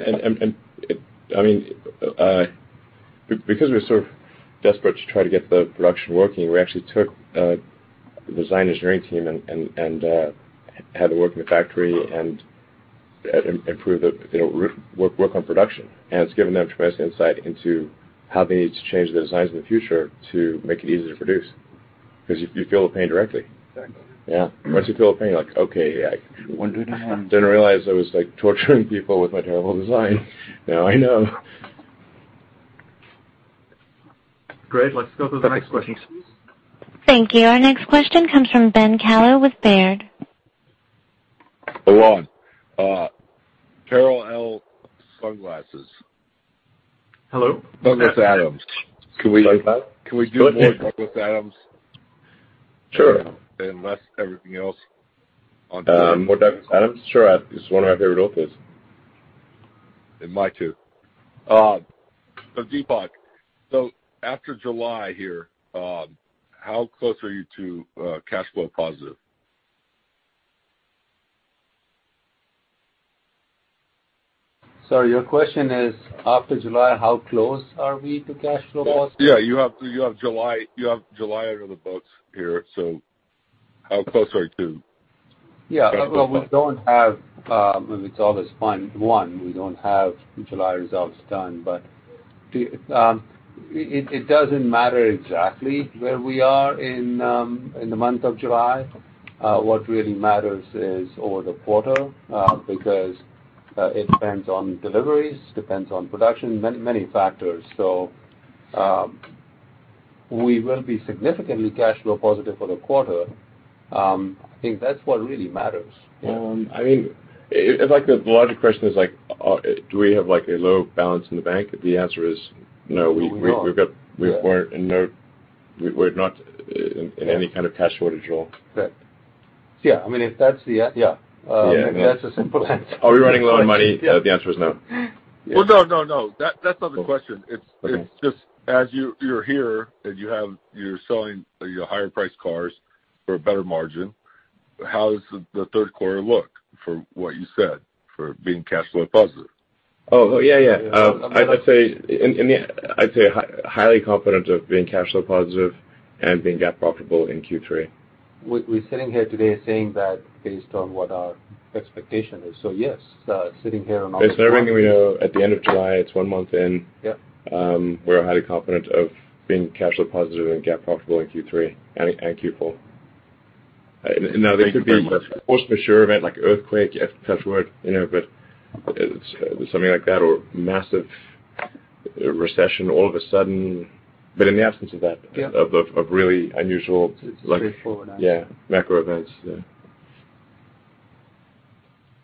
Because we were sort of desperate to try to get the production working, we actually took the design engineering team and had to work in the factory and work on production. It's given them tremendous insight into how they need to change the designs in the future to make it easier to produce. Because you feel the pain directly. Exactly. Yeah. Once you feel the pain, you're like, "Okay, I- Won't do it again. I didn't realize I was torturing people with my terrible design. Now I know. Great. Let's go to the next question, please. Thank you. Our next question comes from Ben Kallo with Baird. Hold on. [Carol L sunglasses]. Hello? Douglas Adams. Sorry about that. Can we do more Douglas Adams. Sure Less everything else on. More Douglas Adams? Sure. He's one of my favorite authors. My too. Deepak, so after July here, how close are you to cash flow positive? Sorry, your question is, after July, how close are we to cash flow positive? Yeah, you have July under the books here. How close are you to Yeah. Well, we don't have, with all this fund one, we don't have July results done, it doesn't matter exactly where we are in the month of July. What really matters is over the quarter, because it depends on deliveries, depends on production, many factors. We will be significantly cash flow positive for the quarter. I think that's what really matters. It's like the logic question is like, do we have a low balance in the bank? The answer is no. Moving on. We're not in any kind of cash shortage at all. Right. Yeah, if that's the answer, yeah. Yeah. That's the simple answer. Are we running low on money? The answer is no. Well, no, that's not the question. Okay. It's just, as you're here and you're selling your higher priced cars for a better margin, how does the third quarter look for what you said, for being cash flow positive? Oh, yeah. I'd say highly confident of being cash flow positive and being GAAP profitable in Q3. We're sitting here today saying that based on what our expectation is, yes. Based on everything we know at the end of July, it's one month in. Yeah. We're highly confident of being cash flow positive and GAAP profitable in Q3 and Q4. There could be a force majeure event, like earthquake, touch wood, but something like that, or massive recession all of a sudden. In the absence of that. Yeah of really unusual. It's pretty straightforward, actually Yeah, macro events, yeah.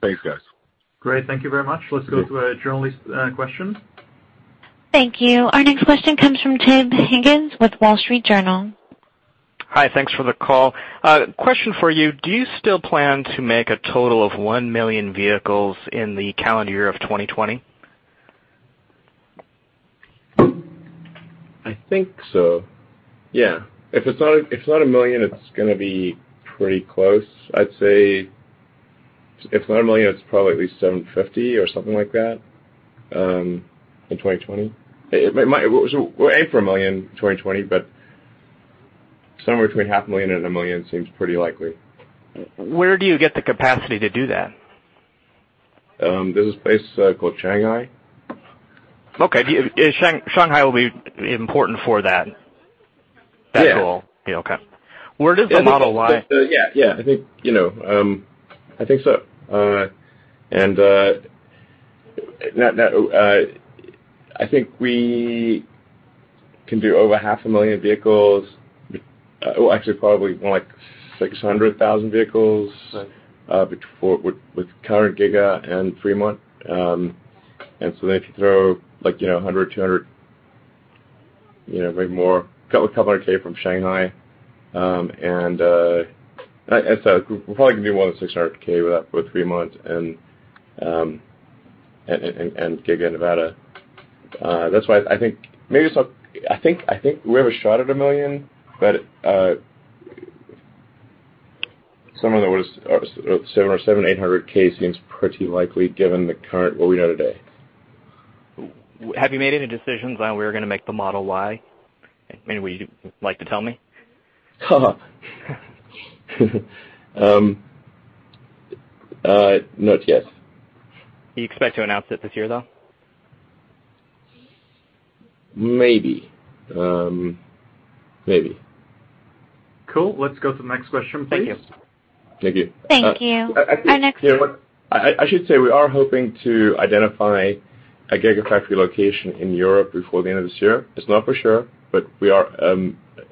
Thanks, guys. Great. Thank you very much. Let's go to our journalist questions. Thank you. Our next question comes from Tim Higgins with The Wall Street Journal. Hi. Thanks for the call. Question for you, do you still plan to make a total of 1 million vehicles in the calendar year of 2020? I think so. Yeah. If it's not 1 million, it's going to be pretty close. I'd say if it's not 1 million, it's probably at least 750 or something like that, in 2020. We're aiming for 1 million in 2020, but somewhere between half a million and 1 million seems pretty likely. Where do you get the capacity to do that? There's a place called Shanghai. Okay. Shanghai will be important for that. Yeah goal? Yeah, okay. Where does the Model Y? Yeah. I think so. I think we can do over half a million vehicles. Well, actually, probably more like 600,000 vehicles. Right with current Giga and Fremont. If you throw 100, 200, maybe more, couple hundred K from Shanghai. We're probably going to do more than 600K with that for three months and Giga, Nevada. That's why I think we have a shot at 1 million, but somewhere there was seven or 800K seems pretty likely given the current, what we know today. Have you made any decisions on we're going to make the Model Y? Maybe would you like to tell me? Not yet. You expect to announce it this year, though? Maybe. Cool. Let's go to the next question, please. Thank you. Thank you. Our next- You know what? I should say, we are hoping to identify a Gigafactory location in Europe before the end of this year. It's not for sure, but we are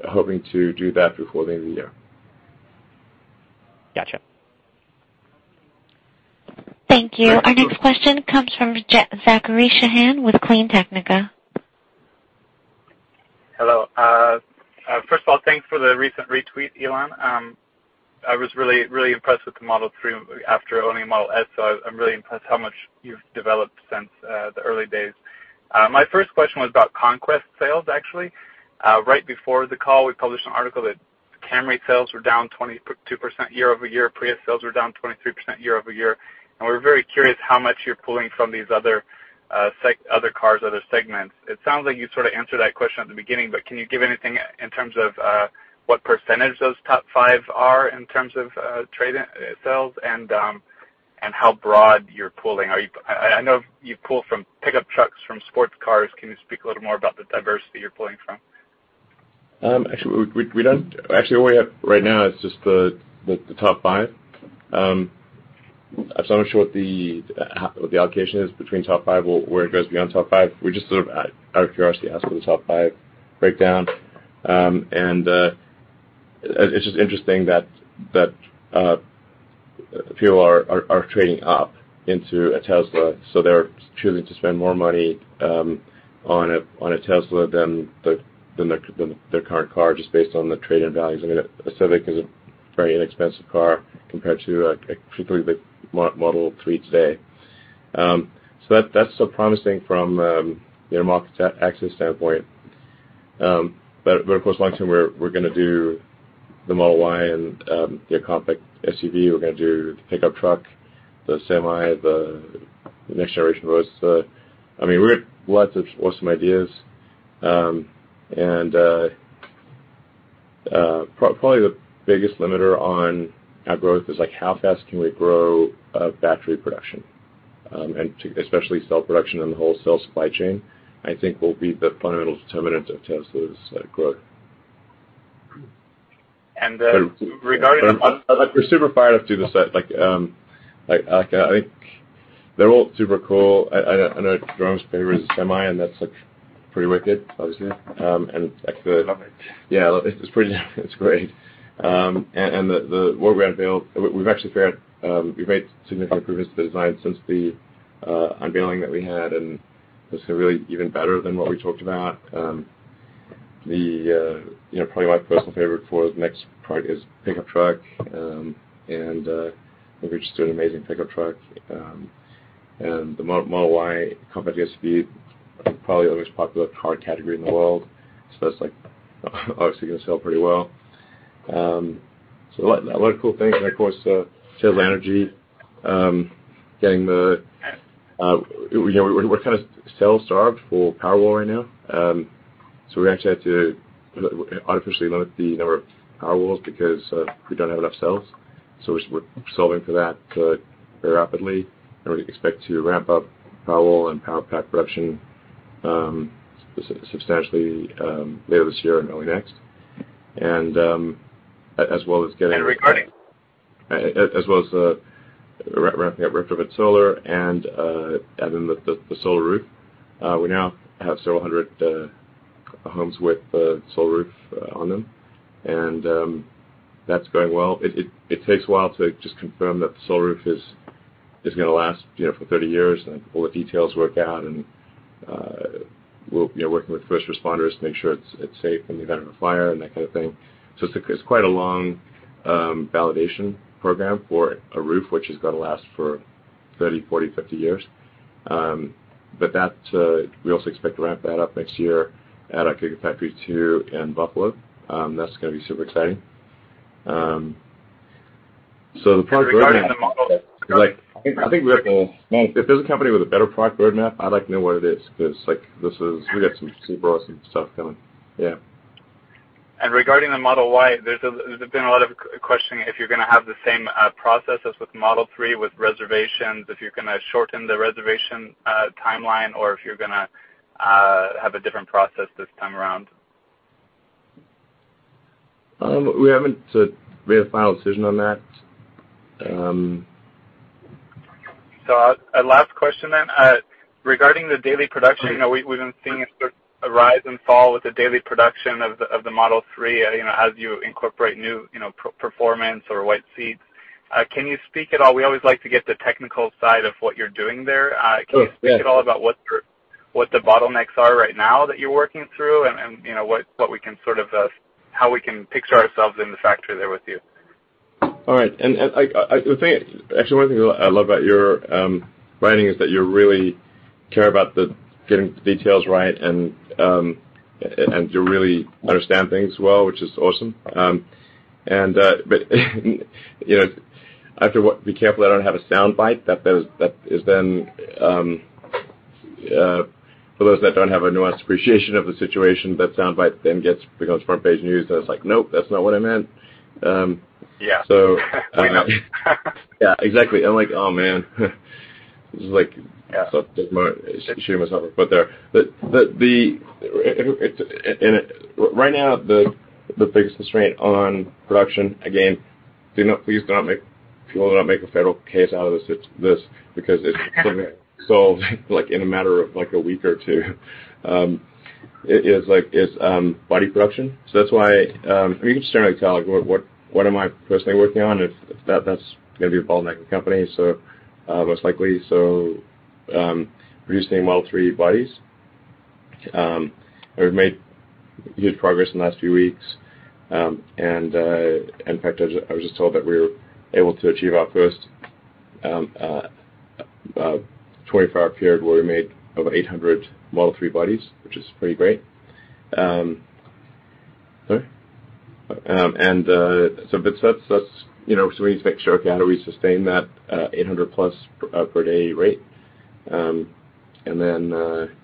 hoping to do that before the end of the year. Got you. Thank you. Our next question comes from Zachary Shahan with CleanTechnica. Hello. First of all, thanks for the recent retweet, Elon. I was really impressed with the Model 3 after owning a Model S, I'm really impressed how much you've developed since the early days. My first question was about conquest sales, actually. Right before the call, we published an article that Camry sales were down 22% year-over-year. Prius sales were down 23% year-over-year. We're very curious how much you're pulling from these other cars, other segments. It sounds like you sort of answered that question at the beginning, but can you give anything in terms of what percentage those top five are in terms of trade-in sales and how broad you're pooling? I know you pool from pickup trucks, from sports cars. Can you speak a little more about the diversity you're pulling from? Actually, what we have right now is just the top five. I'm still not sure what the allocation is between top five, where it goes beyond top five. We just sort of out of curiosity asked for the top five breakdown. It's just interesting that people are trading up into a Tesla, so they're choosing to spend more money on a Tesla than their current car just based on the trade-in values. I mean, a Civic is a very inexpensive car compared to particularly the Model 3 today. That's still promising from market access standpoint. Of course, long term, we're going to do the Model Y and the compact SUV. We're going to do the pickup truck, the Semi, the next generation Roadster. I mean, we're going to lots of awesome ideas. Probably the biggest limiter on our growth is how fast can we grow battery production. Especially cell production and the whole cell supply chain, I think will be the fundamental determinant of Tesla's growth. And regarding the- We're super fired up to do this. I think they're all super cool. I know Jerome's favorite is the Semi, that's pretty wicked, obviously. Love it. Yeah, it's pretty, it's great. What we have available, we've actually made significant improvements to the design since the unveiling that we had, and it's really even better than what we talked about. Probably my personal favorite for the next part is pickup truck. I think we just do an amazing pickup truck. The Model Y compact SUV, probably the most popular car category in the world. That's obviously going to sell pretty well. A lot of cool things. Of course, Tesla Energy. We're kind of cell-starved for Powerwall right now. We actually had to artificially limit the number of Powerwalls because we don't have enough cells. We're solving for that very rapidly, and we expect to ramp up Powerwall and Powerpack production substantially later this year and early next. As well as getting- Regarding- As well as ramping up retrofit solar and the Solar Roof. We now have several hundred homes with Solar Roof on them, and that's going well. It takes a while to just confirm that the Solar Roof is going to last for 30 years and all the details work out. We're working with first responders to make sure it's safe in the event of a fire and that kind of thing. It's quite a long validation program for a roof, which is going to last for 30, 40, 50 years. We also expect to ramp that up next year out of Gigafactory 2 in Buffalo. That's going to be super exciting. The product- Regarding the Model- I think if there's a company with a better product roadmap, I'd like to know what it is, because we got some super awesome stuff coming. Yeah. Regarding the Model Y, there's been a lot of questioning if you're going to have the same process as with Model 3 with reservations, if you're going to shorten the reservation timeline, or if you're going to have a different process this time around. We haven't made a final decision on that. A last question then. Regarding the daily production, we've been seeing a sort of a rise and fall with the daily production of the Model 3, as you incorporate new performance or white seats. Can you speak at all, we always like to get the technical side of what you're doing there. Oh, yeah. Can you speak at all about what the bottlenecks are right now that you're working through and how we can picture ourselves in the factory there with you? All right. Actually, one of the things I love about your writing is that you really care about getting the details right and you really understand things well, which is awesome. I have to be careful I don't have a soundbite, that is then for those that don't have a nuanced appreciation of the situation, that soundbite then becomes front page news, and it's like, "Nope, that's not what I meant. Yeah. Yeah, exactly. I'm like, "Oh, man. Yeah shooting myself in the foot there. Right now, the biggest constraint on production, again, please people will not make a federal case out of this because it's going to get solved in a matter of a week or two, is body production. That's why, you can certainly tell what am I personally working on, if that's going to be a bottleneck of the company, most likely. Producing Model 3 bodies. We've made good progress in the last few weeks. In fact, I was just told that we were able to achieve our first 24-hour period where we made over 800 Model 3 bodies, which is pretty great. Sorry. We need to make sure, okay, how do we sustain that 800 plus per day rate? Then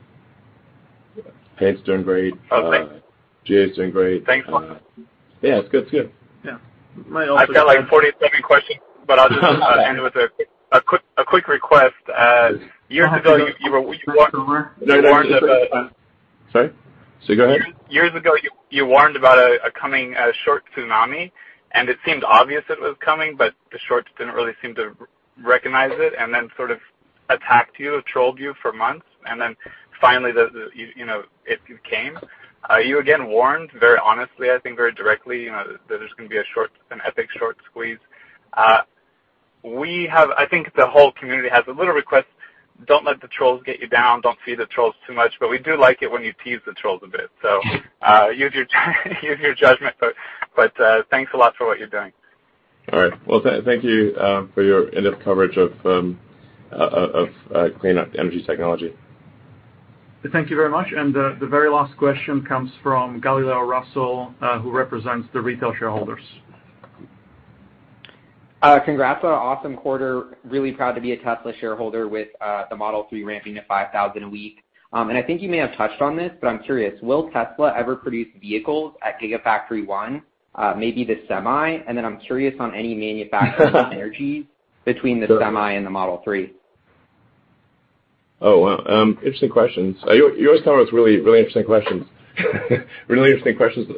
paint's doing great. Okay. GA's doing great. Thanks. Yeah, it's good. Yeah. I've got like a 42nd question, but I'll just end it with a quick request. Years ago, you were- Jerome, we have time for one more. Sorry. Go ahead. Years ago, you warned about a coming short tsunami, and it seemed obvious it was coming, but the shorts didn't really seem to recognize it, and then sort of attacked you, trolled you for months. Finally, it came. You again warned very honestly, I think very directly, that there's going to be an epic short squeeze. I think the whole community has a little request. Don't let the trolls get you down. Don't feed the trolls too much. We do like it when you tease the trolls a bit. Use your judgment. Thanks a lot for what you're doing. All right. Well, thank you for your in-depth coverage of clean energy technology. Thank you very much. The very last question comes from Galileo Russell, who represents the retail shareholders. Congrats on an awesome quarter. Really proud to be a Tesla shareholder with the Model 3 ramping to 5,000 a week. I think you may have touched on this, but I'm curious, will Tesla ever produce vehicles at Gigafactory 1, maybe the Semi? I'm curious on any manufacturing synergy between the Semi and the Model 3. Oh, wow. Interesting questions. You always come up with really interesting questions. Really interesting questions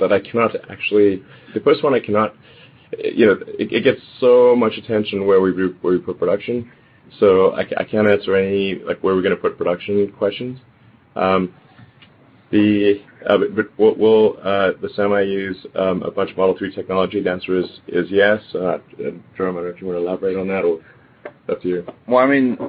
that I cannot actually The first one, it gets so much attention where we put production. I can't answer any, like, where we're going to put production questions. Will the Semi use a bunch of Model 3 technology? The answer is yes. Jerome, I don't know if you want to elaborate on that, or up to you.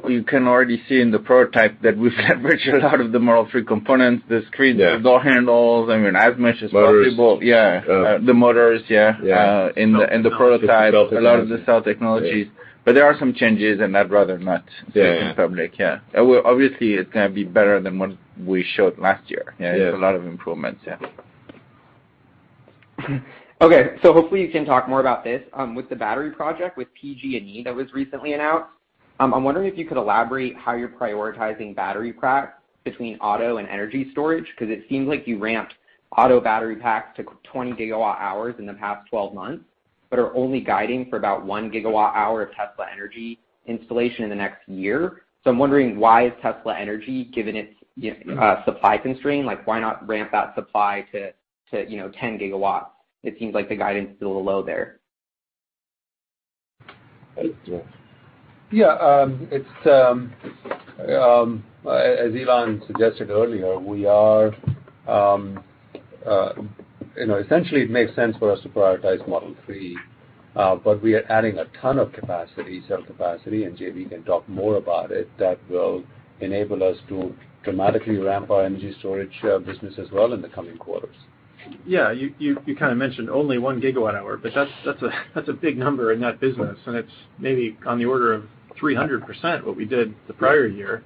You can already see in the prototype that we've got virtually a lot of the Model 3 components, the screen- Yeah the door handles, as much as possible. Motors. Yeah. The motors, yeah. Yeah. In the prototype. A lot of the cell technologies. There are some changes, and I'd rather not. Yeah say them in public. Yeah. Obviously, it's going to be better than what we showed last year. Yeah. There's a lot of improvements. Yeah. Okay, hopefully you can talk more about this. With the battery project, with PG&E that was recently announced, I'm wondering if you could elaborate how you're prioritizing battery pack between auto and energy storage, because it seems like you ramped auto battery packs to 20 gigawatt hours in the past 12 months, but are only guiding for about one gigawatt hour of Tesla Energy installation in the next year. I'm wondering why is Tesla Energy, given its supply constraint, why not ramp that supply to 10 gigawatts? It seems like the guidance is a little low there. Yeah. Yeah. As Elon suggested earlier, essentially it makes sense for us to prioritize Model 3. We are adding a ton of cell capacity, and JB can talk more about it, that will enable us to dramatically ramp our energy storage business as well in the coming quarters. Yeah. You kind of mentioned only one gigawatt hour. That's a big number in that business, and it's maybe on the order of 300% what we did the prior year.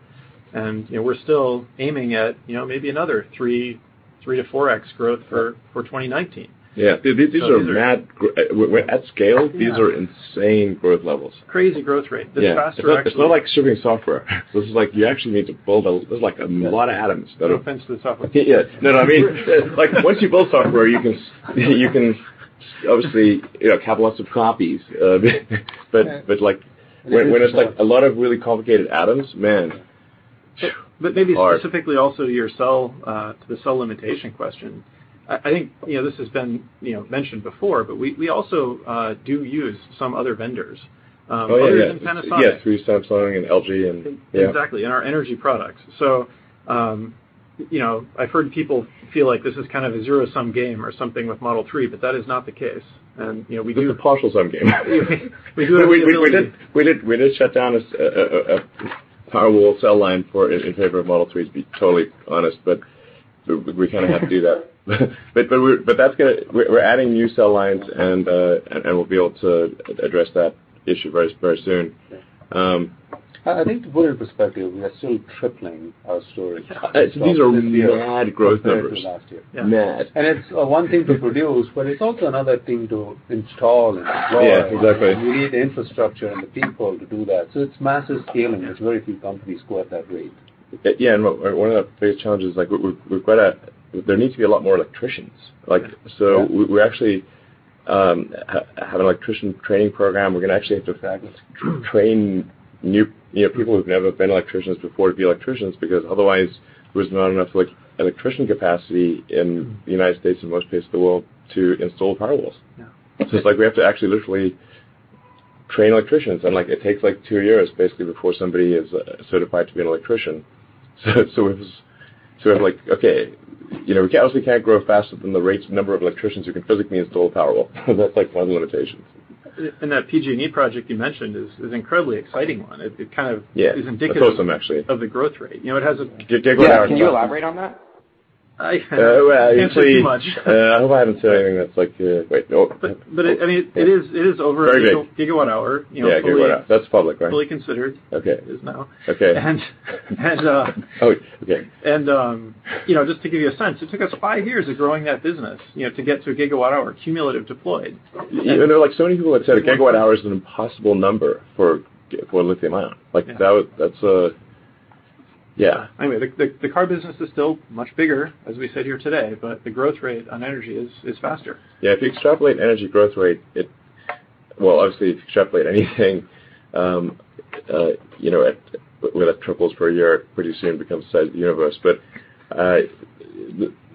We're still aiming at maybe another three to four x growth for 2019. Yeah. At scale, these are insane growth levels. Crazy growth rate. This is faster, actually. Yeah. It's not like shipping software. This is like you actually need to build a lot of atoms. No offense to the software people. Yeah. No, what I mean, once you build software, you can obviously have lots of copies. When it's a lot of really complicated atoms, man. Maybe specifically also to the cell limitation question. I think this has been mentioned before, but we also do use some other vendors. Oh, yeah. Other than Panasonic. Yeah. Through Samsung and LG and, yeah. Exactly. In our energy products. I've heard people feel like this is kind of a zero-sum game or something with Model 3, but that is not the case. It's a partial sum game. We do have the ability. We did shut down a Powerwall cell line in favor of Model 3s, to be totally honest. We kind of had to do that. We're adding new cell lines and we'll be able to address that issue very soon. I think to put it in perspective, we are still tripling our storage. These are mad growth numbers. Compared to last year. Yeah. Mad. It's one thing to produce, but it's also another thing to install and deploy. Yeah, exactly. You need the infrastructure and the people to do that. It's massive scaling. There's very few companies grow at that rate. One of the biggest challenges, there needs to be a lot more electricians. We actually have an electrician training program. We're going to actually have to train people who've never been electricians before to be electricians, because otherwise there's not enough electrician capacity in the United States and most places of the world to install Powerwalls. Yeah. It's like we have to actually literally train electricians, and it takes two years, basically, before somebody is certified to be an electrician. We're just sort of like, okay, we obviously can't grow faster than the rates of number of electricians who can physically install Powerwall. That's one limitation. That PG&E project you mentioned is incredibly exciting one. Yeah is indicative. That's awesome, actually. of the growth rate. Gigawatt-hours. Yeah, can you elaborate on that? I can't say too much. I hope I haven't said anything that's like Wait, no. I mean, it is over a gigawatt hour. Yeah, a gigawatt hour. That's public, right? Fully considered. Okay. It is now. Okay. And- Oh, okay. Just to give you a sense, it took us five years of growing that business to get to a gigawatt hour cumulative deployed. Many people have said a gigawatt hour is an impossible number for lithium ion. Yeah. That's a Yeah. The car business is still much bigger, as we said here today, but the growth rate on energy is faster. Yeah, if you extrapolate energy growth rate, it Well, obviously, if you extrapolate anything, when it triples per year, pretty soon it becomes the size of the universe, but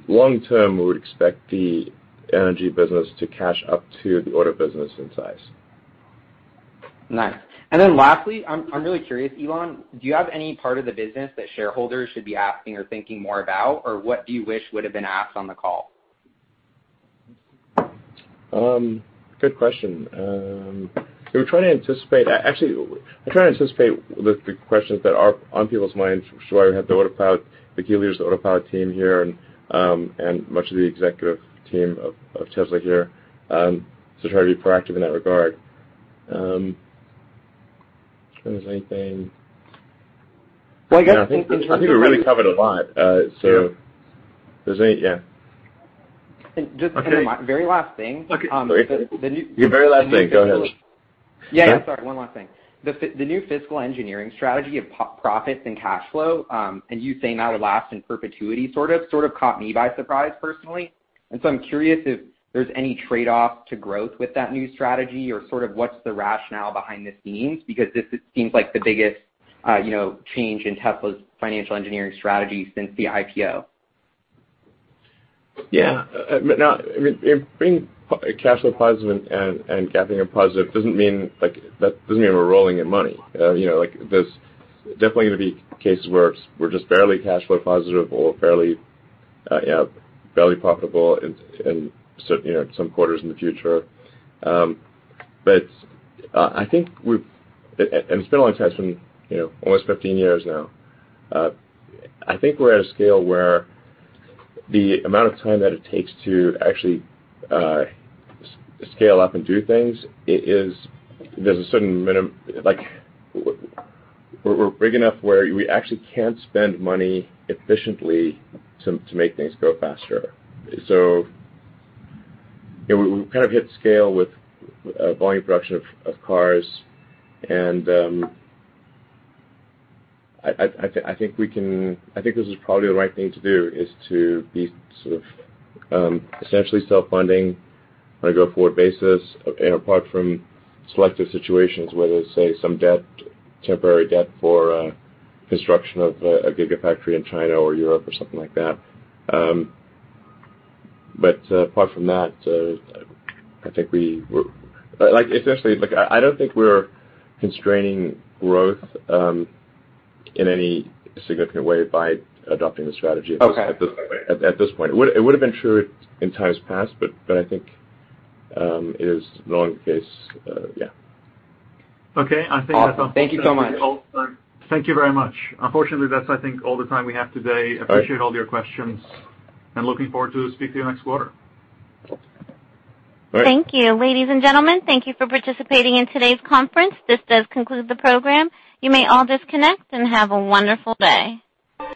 long term, we would expect the energy business to catch up to the auto business in size. Nice. Lastly, I'm really curious, Elon, do you have any part of the business that shareholders should be asking or thinking more about? Or what do you wish would've been asked on the call? Good question. We're trying to anticipate the questions that are on people's minds. That's why we have the Giga Leakers and the Autopilot team here, and much of the executive team of Tesla here, to try to be proactive in that regard. I'm trying to think if there's anything. I think we really covered a lot. Yeah. Yeah. Just a very last thing. Okay. Your very last thing. Go ahead. Yeah. Sorry, one last thing. The new fiscal engineering strategy of profits and cash flow, you saying that'll last in perpetuity sort of caught me by surprise personally. I'm curious if there's any trade-off to growth with that new strategy or sort of what's the rationale behind the scenes, because this seems like the biggest change in Tesla's financial engineering strategy since the IPO. Bringing cash flow positive and GAAP positive doesn't mean we're rolling in money. There's definitely going to be cases where we're just barely cash flow positive or barely profitable in some quarters in the future. It's been a long time, it's almost 15 years now. I think we're at a scale where the amount of time that it takes to actually scale up and do things, we're big enough where we actually can spend money efficiently to make things grow faster. We've kind of hit scale with volume production of cars and I think this is probably the right thing to do, is to be sort of essentially self-funding on a go-forward basis, apart from selective situations where there's, say, some temporary debt for construction of a gigafactory in China or Europe or something like that. Apart from that, essentially, I don't think we're constraining growth in any significant way by adopting the strategy- Okay at this point. It would've been true in times past, but I think it is no longer the case. Yeah. Okay, I think that's all the time. Awesome. Thank you so much. Thank you very much. Unfortunately, that's I think all the time we have today. All right. Appreciate all your questions and looking forward to speak to you next quarter. Great. Thank you. Ladies and gentlemen, thank you for participating in today's conference. This does conclude the program. You may all disconnect, and have a wonderful day.